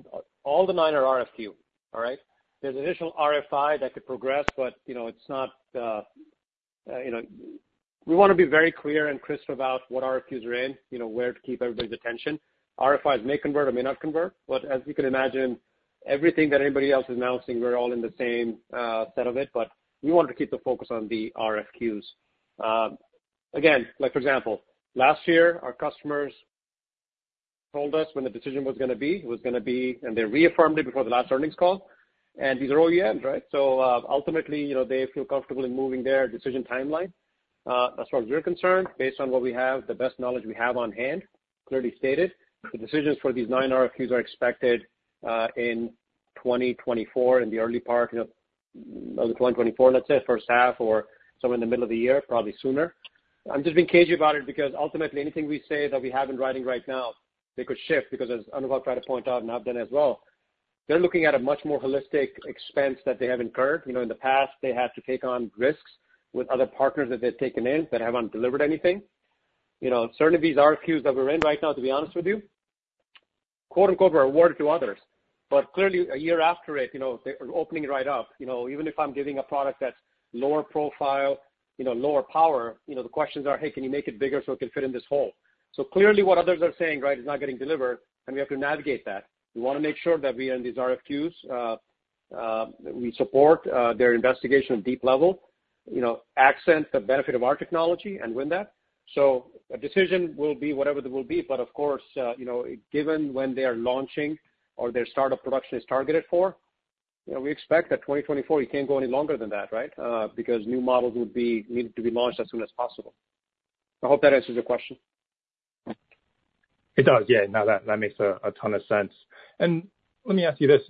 the nine are RFQ. All right? There's initial RFI that could progress, but it's not; we want to be very clear and crisp about what RFQs are in, where to keep everybody's attention. RFIs may convert or may not convert, but as you can imagine, everything that anybody else is announcing, we're all in the same set of it. But we wanted to keep the focus on the RFQs. Again, for example, last year, our customers told us when the decision was going to be. It was going to be, and they reaffirmed it before the last earnings call. These are OEMs, right? So ultimately, they feel comfortable in moving their decision timeline. As far as we're concerned, based on what we have, the best knowledge we have on hand, clearly stated, the decisions for these nine RFQs are expected in 2024 in the early part of 2024, let's say, first half or somewhere in the middle of the year, probably sooner. I'm just being cagey about it because ultimately, anything we say that we have in writing right now, they could shift because, as Anubhav tried to point out and have done as well, they're looking at a much more holistic expense that they have incurred. In the past, they had to take on risks with other partners that they've taken in that haven't delivered anything. Certainly, these RFQs that we're in right now, to be honest with you, "are awarded to others." But clearly, a year after it, they're opening it right up. Even if I'm giving a product that's lower profile, lower power, the questions are, "Hey, can you make it bigger so it can fit in this hole?" So clearly, what others are saying, right, is not getting delivered, and we have to navigate that. We want to make sure that we are in these RFQs. We support their investigation at deep level, accent the benefit of our technology, and win that. So a decision will be whatever it will be. But of course, given when they are launching or their startup production is targeted for, we expect that 2024, you can't go any longer than that, right, because new models would need to be launched as soon as possible. I hope that answers your question. It does. Yeah. No, that makes a ton of sense. And let me ask you this.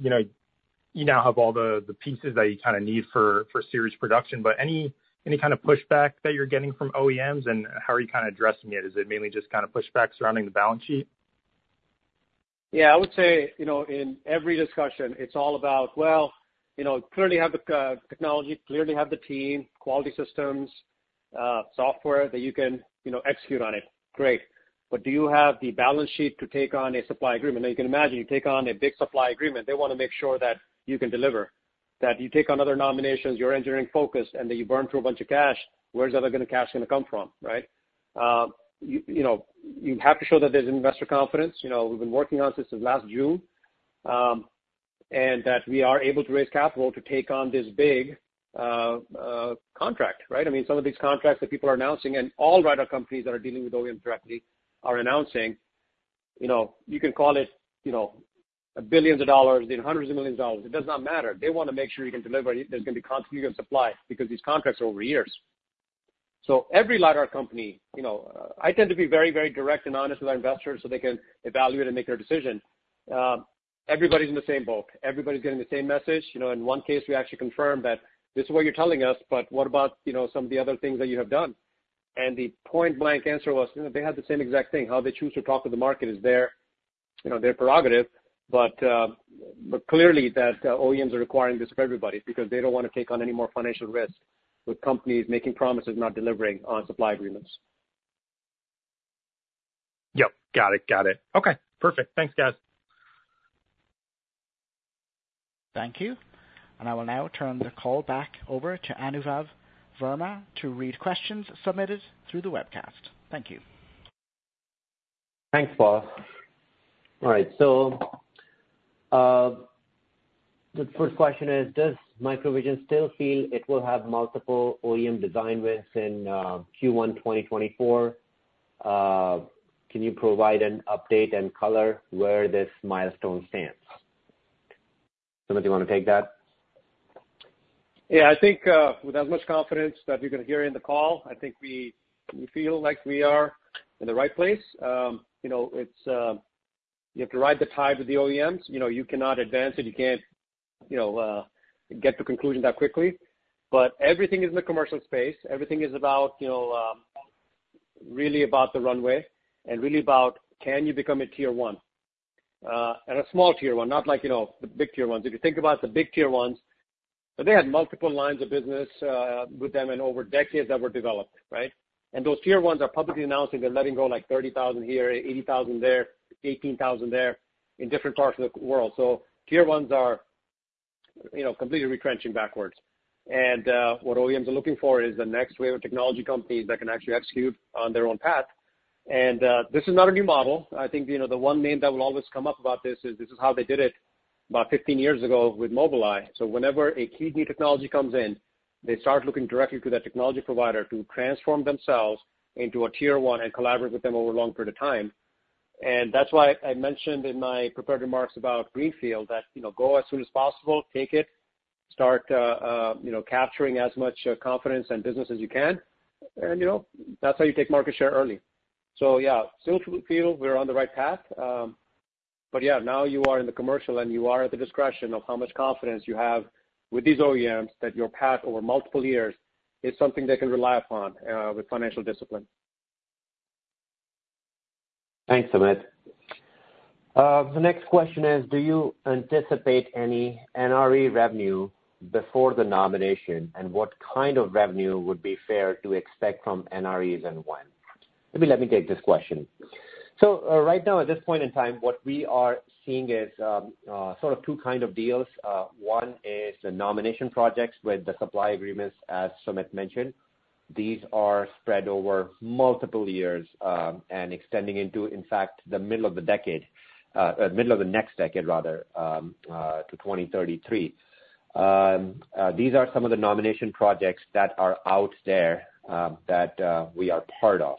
You now have all the pieces that you kind of need for series production, but any kind of pushback that you're getting from OEMs, and how are you kind of addressing it? Is it mainly just kind of pushback surrounding the balance sheet? Yeah. I would say in every discussion, it's all about, "Well, clearly have the technology, clearly have the team, quality systems, software that you can execute on it. Great. But do you have the balance sheet to take on a supply agreement?" Now, you can imagine you take on a big supply agreement. They want to make sure that you can deliver, that you take on other nominations, you're engineering focused, and that you burn through a bunch of cash. Where's the other cash going to come from, right? You have to show that there's investor confidence. We've been working on this since last June and that we are able to raise capital to take on this big contract, right? I mean, some of these contracts that people are announcing, and all LiDAR companies that are dealing with OEMs directly are announcing, you can call it billions of dollars, then hundreds of million dollars. It does not matter. They want to make sure you can deliver. There's going to be continued supply because these contracts are over years. So every LiDAR company, I tend to be very, very direct and honest with our investors so they can evaluate and make their decision. Everybody's in the same boat. Everybody's getting the same message. In one case, we actually confirmed that, "This is what you're telling us, but what about some of the other things that you have done?" And the point-blank answer was they had the same exact thing. How they choose to talk to the market is their prerogative. But clearly, that OEMs are requiring this of everybody because they don't want to take on any more financial risk with companies making promises not delivering on supply agreements. Yep. Got it. Got it. Okay. Perfect. Thanks, guys. Thank you. And I will now turn the call back over to Anubhav Verma to read questions submitted through the webcast. Thank you. Thanks, boss. All right. So the first question is, does MicroVision still feel it will have multiple OEM design wins in Q1 2024? Can you provide an update and color where this milestone stands? Sumit, you want to take that? Yeah. I think with as much confidence that you're going to hear in the call, I think we feel like we are in the right place. You have to ride the tide with the OEMs. You cannot advance it. You can't get to conclusion that quickly. But everything is in the commercial space. Everything is really about the runway and really about, "Can you become a Tier 1?" And a small Tier 1, not like the big Tier1s. If you think about the big Tier 1s. But they had multiple lines of business with them in over decades that were developed, right? And those Tier 1s are publicly announcing. They're letting go like 30,000 here, 80,000 there, 18,000 there in different parts of the world. So Tier 1s are completely retrenching backwards. What OEMs are looking for is the next wave of technology companies that can actually execute on their own path. This is not a new model. I think the one name that will always come up about this is this is how they did it about 15 years ago with Mobileye. Whenever a key new technology comes in, they start looking directly to that technology provider to transform themselves into a Tier 1 and collaborate with them over a long period of time. That's why I mentioned in my prepared remarks about greenfield that go as soon as possible, take it, start capturing as much confidence and business as you can. That's how you take market share early. Yeah, still feel we're on the right path. But yeah, now you are in the commercial, and you are at the discretion of how much confidence you have with these OEMs that your path over multiple years is something they can rely upon with financial discipline. Thanks, Sumit. The next question is, do you anticipate any NRE revenue before the nomination, and what kind of revenue would be fair to expect from NREs and when? Maybe let me take this question. So right now, at this point in time, what we are seeing is sort of two kinds of deals. One is the nomination projects with the supply agreements, as Sumit mentioned. These are spread over multiple years and extending into, in fact, the middle of the decade middle of the next decade, rather, to 2033. These are some of the nomination projects that are out there that we are part of.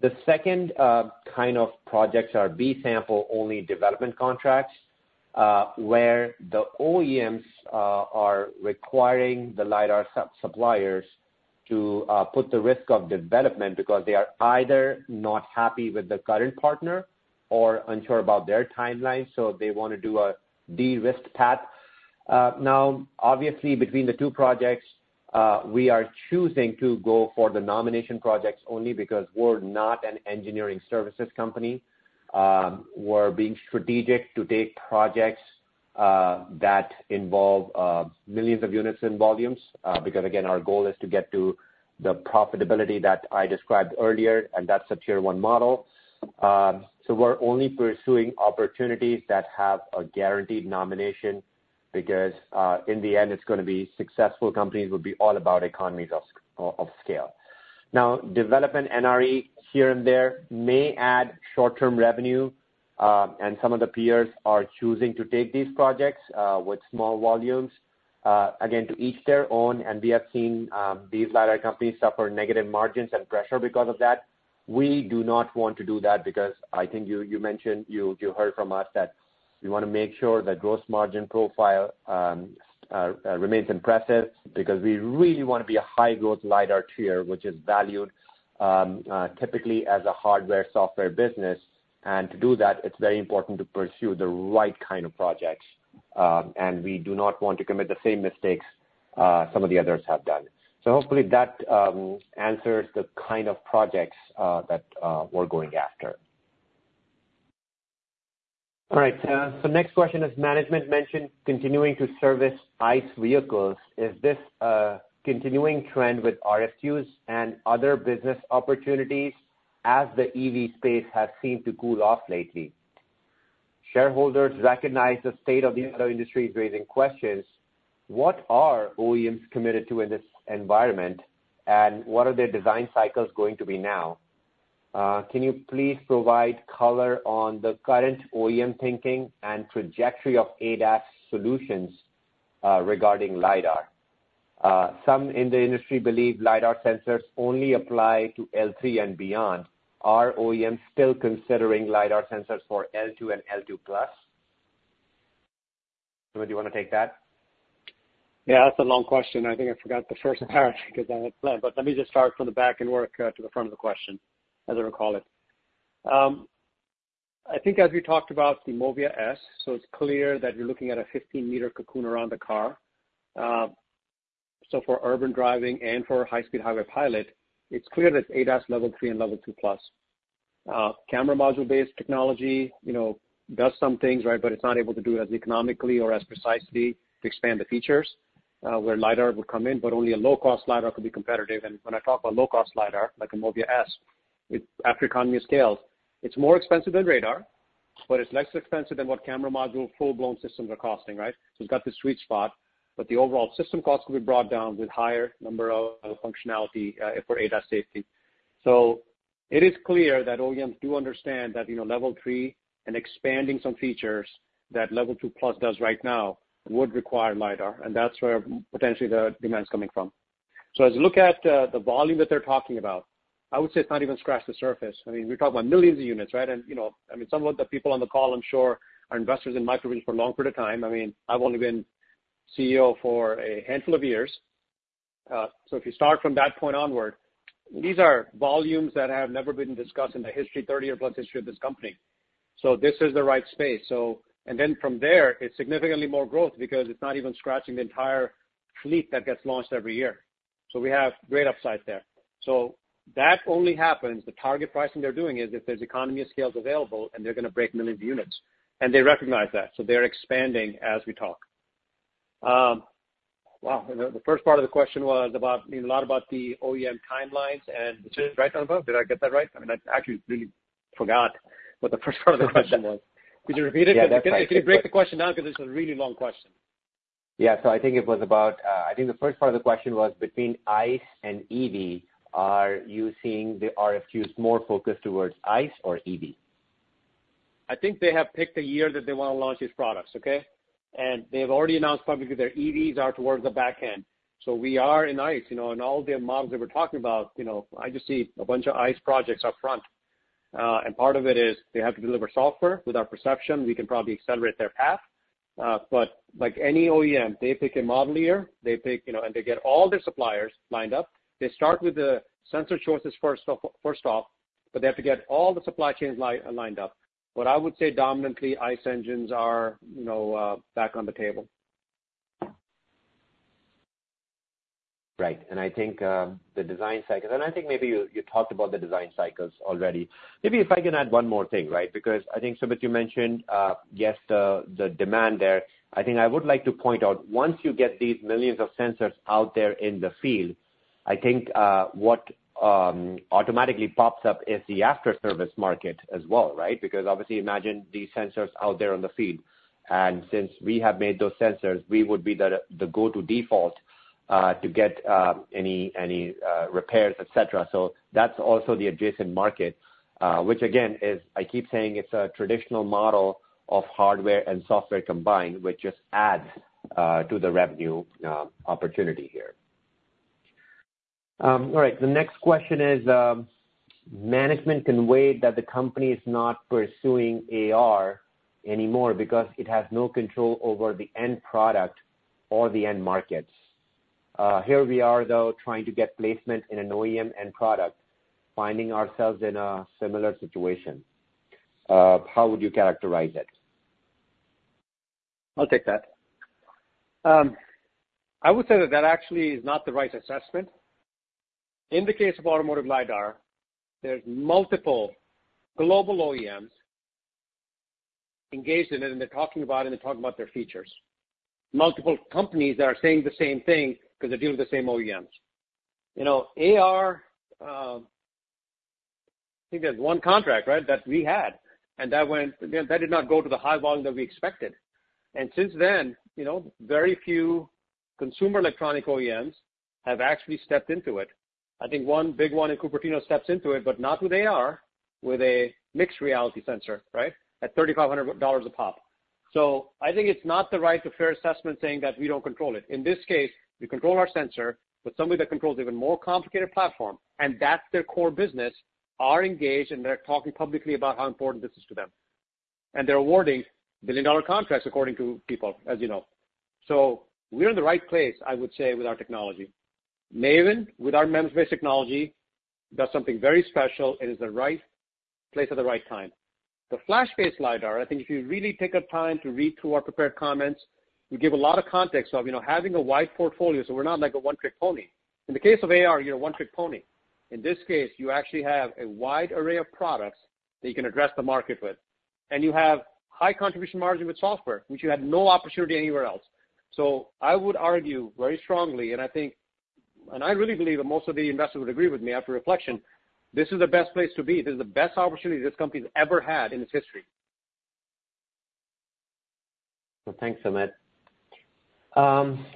The second kind of projects are B Sample-only development contracts where the OEMs are requiring the LiDAR suppliers to put the risk of development because they are either not happy with the current partner or unsure about their timeline, so they want to do a derisk path. Now, obviously, between the two projects, we are choosing to go for the nomination projects only because we're not an engineering services company. We're being strategic to take projects that involve millions of units in volumes because, again, our goal is to get to the profitability that I described earlier, and that's a Tier 1 model. So we're only pursuing opportunities that have a guaranteed nomination because in the end, it's going to be successful companies would be all about economies of scale. Now, development NRE here and there may add short-term revenue, and some of the peers are choosing to take these projects with small volumes, again, to each their own. And we have seen these LiDAR companies suffer negative margins and pressure because of that. We do not want to do that because I think you mentioned you heard from us that we want to make sure that gross margin profile remains impressive because we really want to be a high-growth LiDAR Tier, which is valued typically as a hardware-software business. And to do that, it's very important to pursue the right kind of projects. And we do not want to commit the same mistakes some of the others have done. So hopefully, that answers the kind of projects that we're going after. All right. So next question is, management mentioned continuing to service ICE vehicles. Is this a continuing trend with RFQs and other business opportunities as the EV space has seemed to cool off lately? Shareholders recognize the state of the auto industry is raising questions. What are OEMs committed to in this environment, and what are their design cycles going to be now? Can you please provide color on the current OEM thinking and trajectory of ADAS solutions regarding LiDAR? Some in the industry believe LiDAR sensors only apply to L3 and beyond. Are OEMs still considering LiDAR sensors for L2 and L2+? Sumit, do you want to take that? Yeah. That's a long question. I think I forgot the first part because I had planned. But let me just start from the back and work to the front of the question, as I recall it. I think as we talked about the MOVIA S, so it's clear that you're looking at a 15-meter cocoon around the car. So for urban driving and for high-speed highway pilot, it's clear that it's ADAS Level 3 and Level 2+. Camera module-based technology does some things, right, but it's not able to do it as economically or as precisely to expand the features where LiDAR would come in, but only a low-cost LiDAR could be competitive. And when I talk about low-cost LiDAR, like a MOVIA S, after economy of scale, it's more expensive than radar, but it's less expensive than what camera module full-blown systems are costing, right? So it's got this sweet spot, but the overall system cost could be brought down with higher number of functionality for ADAS safety. So it is clear that OEMs do understand that Level 3 and expanding some features that Level 2+ does right now would require LiDAR, and that's where potentially the demand's coming from. So as you look at the volume that they're talking about, I would say it's not even scratch the surface. I mean, we're talking about millions of units, right? And I mean, some of the people on the call, I'm sure, are investors in MicroVision for a long period of time. I mean, I've only been CEO for a handful of years. So if you start from that point onward, these are volumes that have never been discussed in the 30+ year history of this company. So this is the right space. And then from there, it's significantly more growth because it's not even scratching the entire fleet that gets launched every year. So we have great upsides there. So that only happens. The target pricing they're doing is if there's economy of scale available, and they're going to break millions of units. And they recognize that. So they're expanding as we talk. Wow. The first part of the question was a lot about the OEM timelines and the change right down above. Did I get that right? I mean, I actually really forgot what the first part of the question was. Could you repeat it? Can you break the question down because it's a really long question? Yeah. So I think it was about I think the first part of the question was between ICE and EV, are you seeing the RFQs more focused towards ICE or EV? I think they have picked a year that they want to launch these products, okay? And they have already announced publicly their EVs are towards the back end. So we are in ICE. In all the models that we're talking about, I just see a bunch of ICE projects upfront. And part of it is they have to deliver software. With our perception, we can probably accelerate their path. But like any OEM, they pick a model year, and they get all their suppliers lined up. They start with the sensor choices first off, but they have to get all the supply chains lined up. But I would say dominantly, ICE engines are back on the table. Right. I think the design cycles and I think maybe you talked about the design cycles already. Maybe if I can add one more thing, right? Because I think, Sumit, you mentioned, yes, the demand there. I think I would like to point out, once you get these millions of sensors out there in the field, I think what automatically pops up is the after-service market as well, right? Because obviously, imagine these sensors out there on the field. And since we have made those sensors, we would be the go-to default to get any repairs, etc. So that's also the adjacent market, which, again, I keep saying it's a traditional model of hardware and software combined, which just adds to the revenue opportunity here. All right. The next question is, management can weigh that the company is not pursuing AR anymore because it has no control over the end product or the end markets. Here we are, though, trying to get placement in an OEM end product, finding ourselves in a similar situation. How would you characterize it? I'll take that. I would say that that actually is not the right assessment. In the case of automotive LiDAR, there's multiple global OEMs engaged in it, and they're talking about it, and they're talking about their features. Multiple companies that are saying the same thing because they're dealing with the same OEMs. I think there's one contract, right, that we had, and that did not go to the high volume that we expected. Since then, very few consumer electronic OEMs have actually stepped into it. I think one big one in Cupertino steps into it, but not who they are with a mixed reality sensor, right, at $3,500 a pop. I think it's not the right or fair assessment saying that we don't control it. In this case, we control our sensor, but somebody that controls an even more complicated platform, and that's their core business, are engaged, and they're talking publicly about how important this is to them. And they're awarding billion-dollar contracts, according to people, as you know. So we're in the right place, I would say, with our technology. MAVIN, with our memory-based technology, does something very special. It is the right place at the right time. The flash-based LiDAR, I think if you really take the time to read through our prepared comments, we give a lot of context of having a wide portfolio, so we're not like a one-trick pony. In the case of AR, you're a one-trick pony. In this case, you actually have a wide array of products that you can address the market with, and you have high contribution margin with software, which you had no opportunity anywhere else. So I would argue very strongly, and I think and I really believe that most of the investors would agree with me after reflection, this is the best place to be. This is the best opportunity this company's ever had in its history. So thanks, Sumit.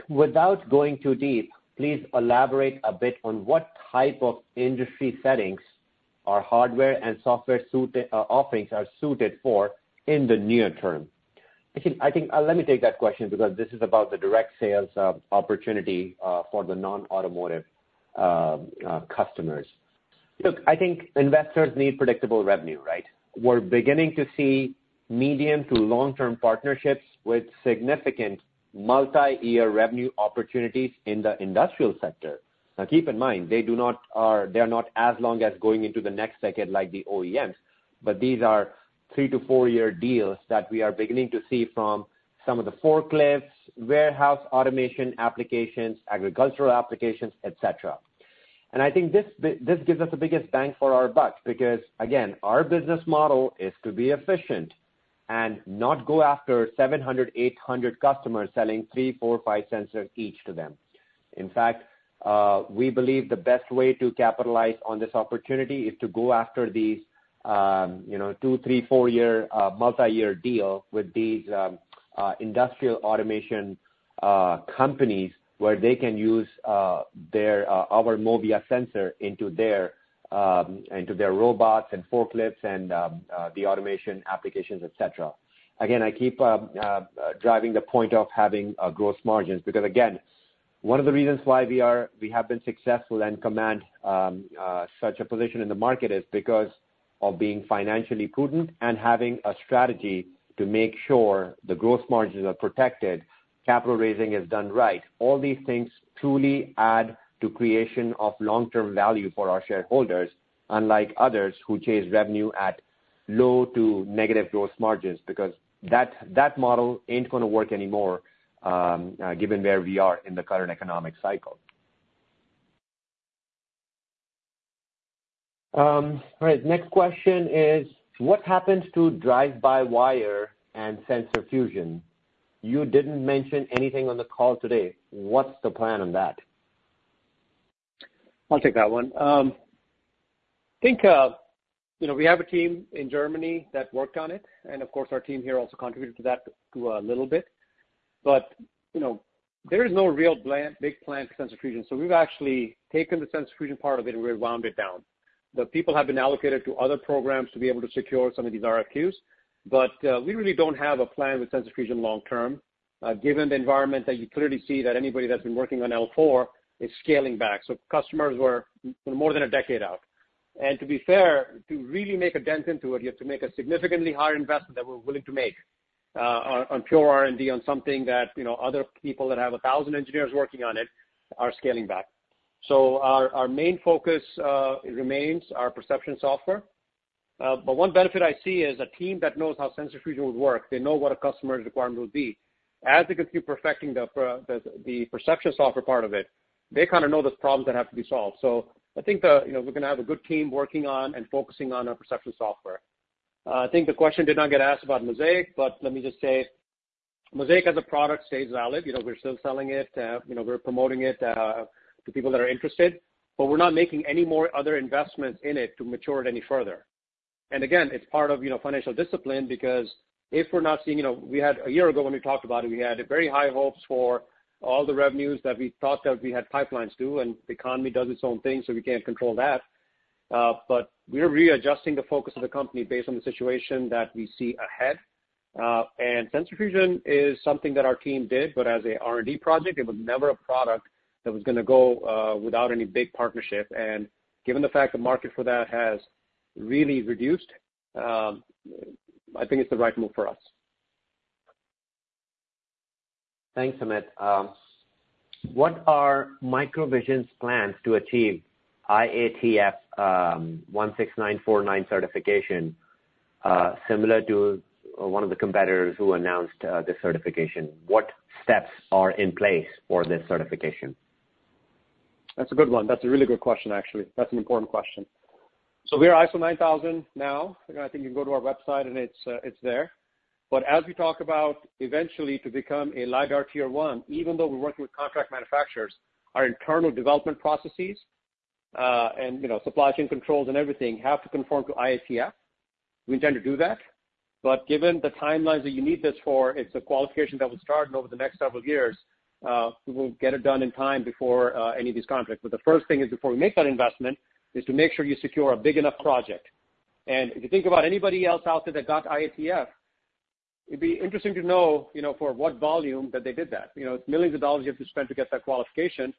Without going too deep, please elaborate a bit on what type of industry settings hardware and software offerings are suited for in the near term. Actually, let me take that question because this is about the direct sales opportunity for the non-automotive customers. Look, I think investors need predictable revenue, right? We're beginning to see medium to long-term partnerships with significant multi-year revenue opportunities in the industrial sector. Now, keep in mind, they are not as long as going into the next decade like the OEMs, but these are 3 to 4-year deals that we are beginning to see from some of the forklifts, warehouse automation applications, agricultural applications, etc. I think this gives us the biggest bang for our buck because, again, our business model is to be efficient and not go after 700, 800 customers selling three, four, five sensors each to them. In fact, we believe the best way to capitalize on this opportunity is to go after these two, three, four-year multi-year deal with these industrial automation companies where they can use our MOVIA sensor into their robots and forklifts and the automation applications, etc. Again, I keep driving the point of having gross margins because, again, one of the reasons why we have been successful and command such a position in the market is because of being financially prudent and having a strategy to make sure the gross margins are protected, capital raising is done right. All these things truly add to creation of long-term value for our shareholders, unlike others who chase revenue at low to negative gross margins because that model ain't going to work anymore given where we are in the current economic cycle. All right. Next question is, what happens to drive-by wire and sensor fusion? You didn't mention anything on the call today. What's the plan on that? I'll take that one. I think we have a team in Germany that worked on it, and of course, our team here also contributed to that a little bit. But there is no real big plan for sensor fusion. So we've actually taken the sensor fusion part of it, and we've wound it down. The people have been allocated to other programs to be able to secure some of these RFQs, but we really don't have a plan with sensor fusion long-term given the environment that you clearly see that anybody that's been working on L4 is scaling back. So customers were more than a decade out. And to be fair, to really make a dent into it, you have to make a significantly higher investment that we're willing to make on pure R&D on something that other people that have 1,000 engineers working on it are scaling back. So our main focus remains our perception software. But one benefit I see is a team that knows how sensor fusion would work. They know what a customer's requirement would be. As they continue perfecting the perception software part of it, they kind of know the problems that have to be solved. So I think we're going to have a good team working on and focusing on our perception software. I think the question did not get asked about MOSAIC, but let me just say MOSAIC, as a product, stays valid. We're still selling it. We're promoting it to people that are interested, but we're not making any more other investments in it to mature it any further. Again, it's part of financial discipline because if we're not seeing we had a year ago when we talked about it, we had very high hopes for all the revenues that we thought that we had pipelines to, and the economy does its own thing, so we can't control that. But we're readjusting the focus of the company based on the situation that we see ahead. Sensor fusion is something that our team did, but as a R&D project, it was never a product that was going to go without any big partnership. Given the fact the market for that has really reduced, I think it's the right move for us. Thanks, Sumit. What are MicroVision's plans to achieve IATF 16949 certification similar to one of the competitors who announced this certification? What steps are in place for this certification? That's a good one. That's a really good question, actually. That's an important question. So we are ISO 9000 now. I think you can go to our website, and it's there. But as we talk about eventually to become a LiDAR Tier 1, even though we're working with contract manufacturers, our internal development processes and supply chain controls and everything have to conform to IATF. We intend to do that. But given the timelines that you need this for, it's a qualification that will start, and over the next several years, we will get it done in time before any of these contracts. But the first thing is before we make that investment is to make sure you secure a big enough project. And if you think about anybody else out there that got IATF, it'd be interesting to know for what volume that they did that. It's millions of dollars you have to spend to get that qualification.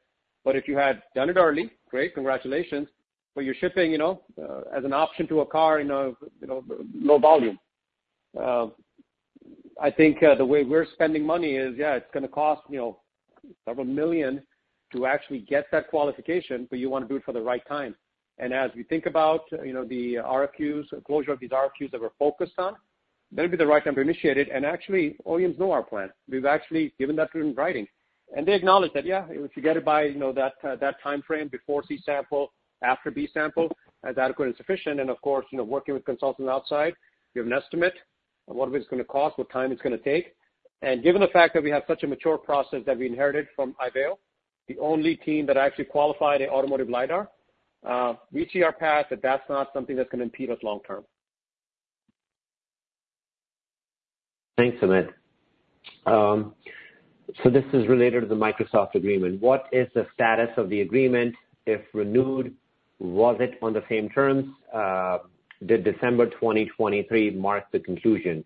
But if you had done it early, great, congratulations, but you're shipping as an option to a car in low volume. I think the way we're spending money is, yeah, it's going to cost several million to actually get that qualification, but you want to do it for the right time. And as we think about the closure of these RFQs that we're focused on, that'd be the right time to initiate it. And actually, OEMs know our plan. We've actually given that to them in writing, and they acknowledge that, yeah, if you get it by that time frame before C Sample, after B Sample, that's adequate and sufficient. And of course, working with consultants outside, you have an estimate of what it's going to cost, what time it's going to take. Given the fact that we have such a mature process that we inherited from IVAIL, the only team that actually qualified an automotive LiDAR, we see our path that that's not something that's going to impede us long-term. Thanks, Sumit. So this is related to the Microsoft agreement. What is the status of the agreement if renewed? Was it on the same terms? Did December 2023 mark the conclusion?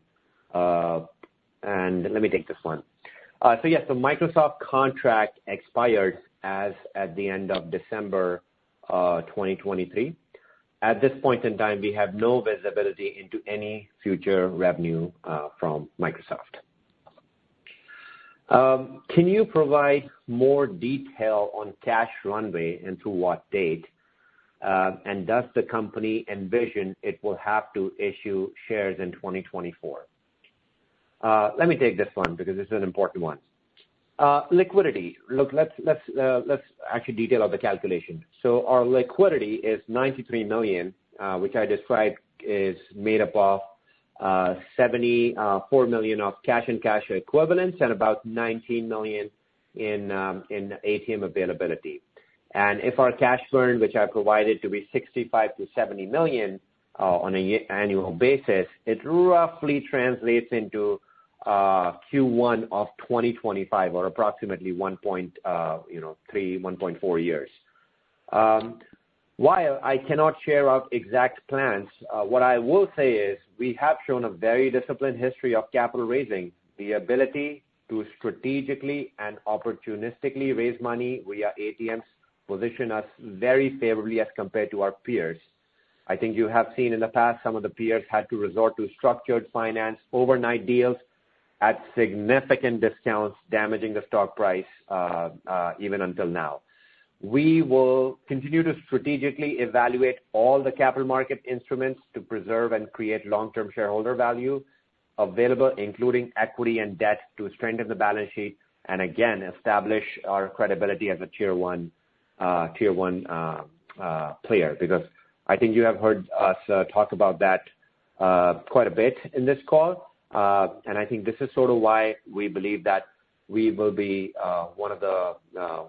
And let me take this one. So yes, the Microsoft contract expired at the end of December 2023. At this point in time, we have no visibility into any future revenue from Microsoft. Can you provide more detail on cash runway and through what date? And does the company envision it will have to issue shares in 2024? Let me take this one because this is an important one. Liquidity. Look, let's actually detail out the calculation. So our liquidity is $93 million, which I described is made up of $74 million of cash and cash equivalents and about $19 million in ATM availability. If our cash burn, which I provided, to be $65 million-$70 million on an annual basis, it roughly translates into Q1 of 2025 or approximately 1.3-1.4 years. While I cannot share out exact plans, what I will say is we have shown a very disciplined history of capital raising. The ability to strategically and opportunistically raise money via ATMs position us very favorably as compared to our peers. I think you have seen in the past, some of the peers had to resort to structured finance, overnight deals at significant discounts, damaging the stock price even until now. We will continue to strategically evaluate all the capital market instruments to preserve and create long-term shareholder value available, including equity and debt, to strengthen the balance sheet and, again, establish our credibility as a Tier 1 player because I think you have heard us talk about that quite a bit in this call. I think this is sort of why we believe that we will be one of the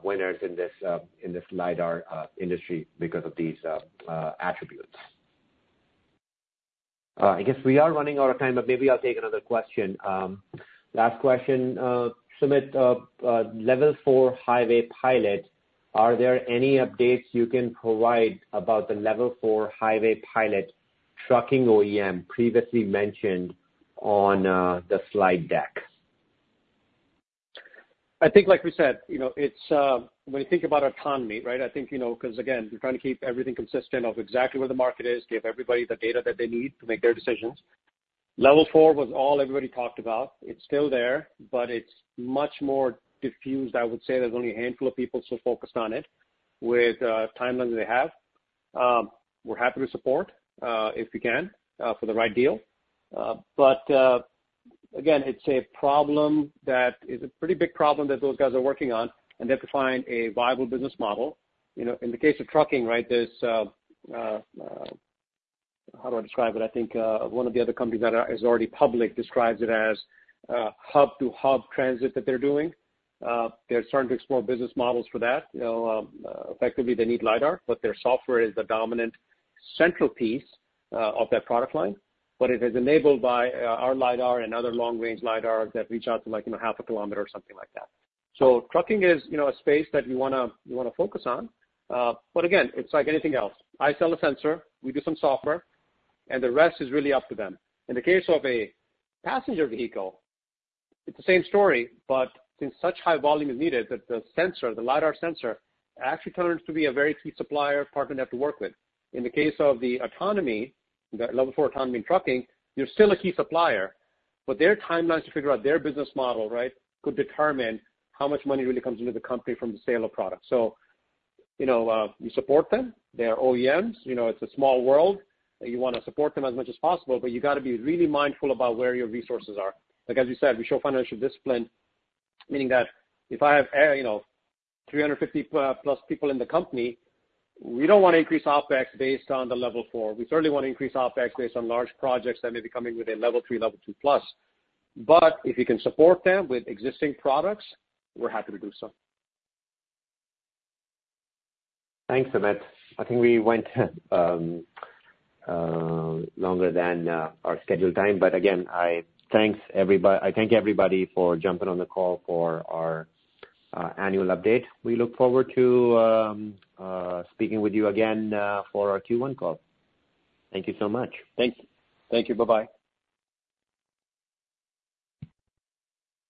winners in this LiDAR industry because of these attributes. I guess we are running out of time, but maybe I'll take another question. Last question, Sumit. Level 4 highway pilot. Are there any updates you can provide about the Level 4 highway pilot trucking OEM previously mentioned on the slide deck? I think, like we said, when you think about autonomy, right, I think because, again, we're trying to keep everything consistent of exactly where the market is, give everybody the data that they need to make their decisions. Level 4 was all everybody talked about. It's still there, but it's much more diffused. I would say there's only a handful of people still focused on it with timelines that they have. We're happy to support if we can for the right deal. But again, it's a problem that is a pretty big problem that those guys are working on, and they have to find a viable business model. In the case of trucking, right, there's how do I describe it? I think one of the other companies that is already public describes it as hub-to-hub transit that they're doing. They're starting to explore business models for that. Effectively, they need LiDAR, but their software is the dominant central piece of that product line. But it is enabled by our LiDAR and other long-range LiDARs that reach out to half a kilometer or something like that. So trucking is a space that you want to focus on. But again, it's like anything else. I sell a sensor. We do some software, and the rest is really up to them. In the case of a passenger vehicle, it's the same story, but since such high volume is needed that the sensor, the LiDAR sensor, actually turns to be a very key supplier partner they have to work with. In the case of the Level 4 autonomy in trucking, you're still a key supplier, but their timelines to figure out their business model, right, could determine how much money really comes into the company from the sale of products. So you support them. They are OEMs. It's a small world. You want to support them as much as possible, but you got to be really mindful about where your resources are. Like as we said, we show financial discipline, meaning that if I have 350+ people in the company, we don't want to increase OPEX based on the Level 4. We certainly want to increase OPEX based on large projects that may be coming with a Level 3, Level 2+. But if you can support them with existing products, we're happy to do so. Thanks, Sumit. I think we went longer than our scheduled time. Again, I thank everybody for jumping on the call for our annual update. We look forward to speaking with you again for our Q1 call. Thank you so much. Thank you. Bye-bye.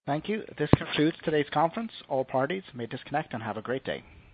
Thank you. This concludes today's conference. All parties may disconnect and have a great day.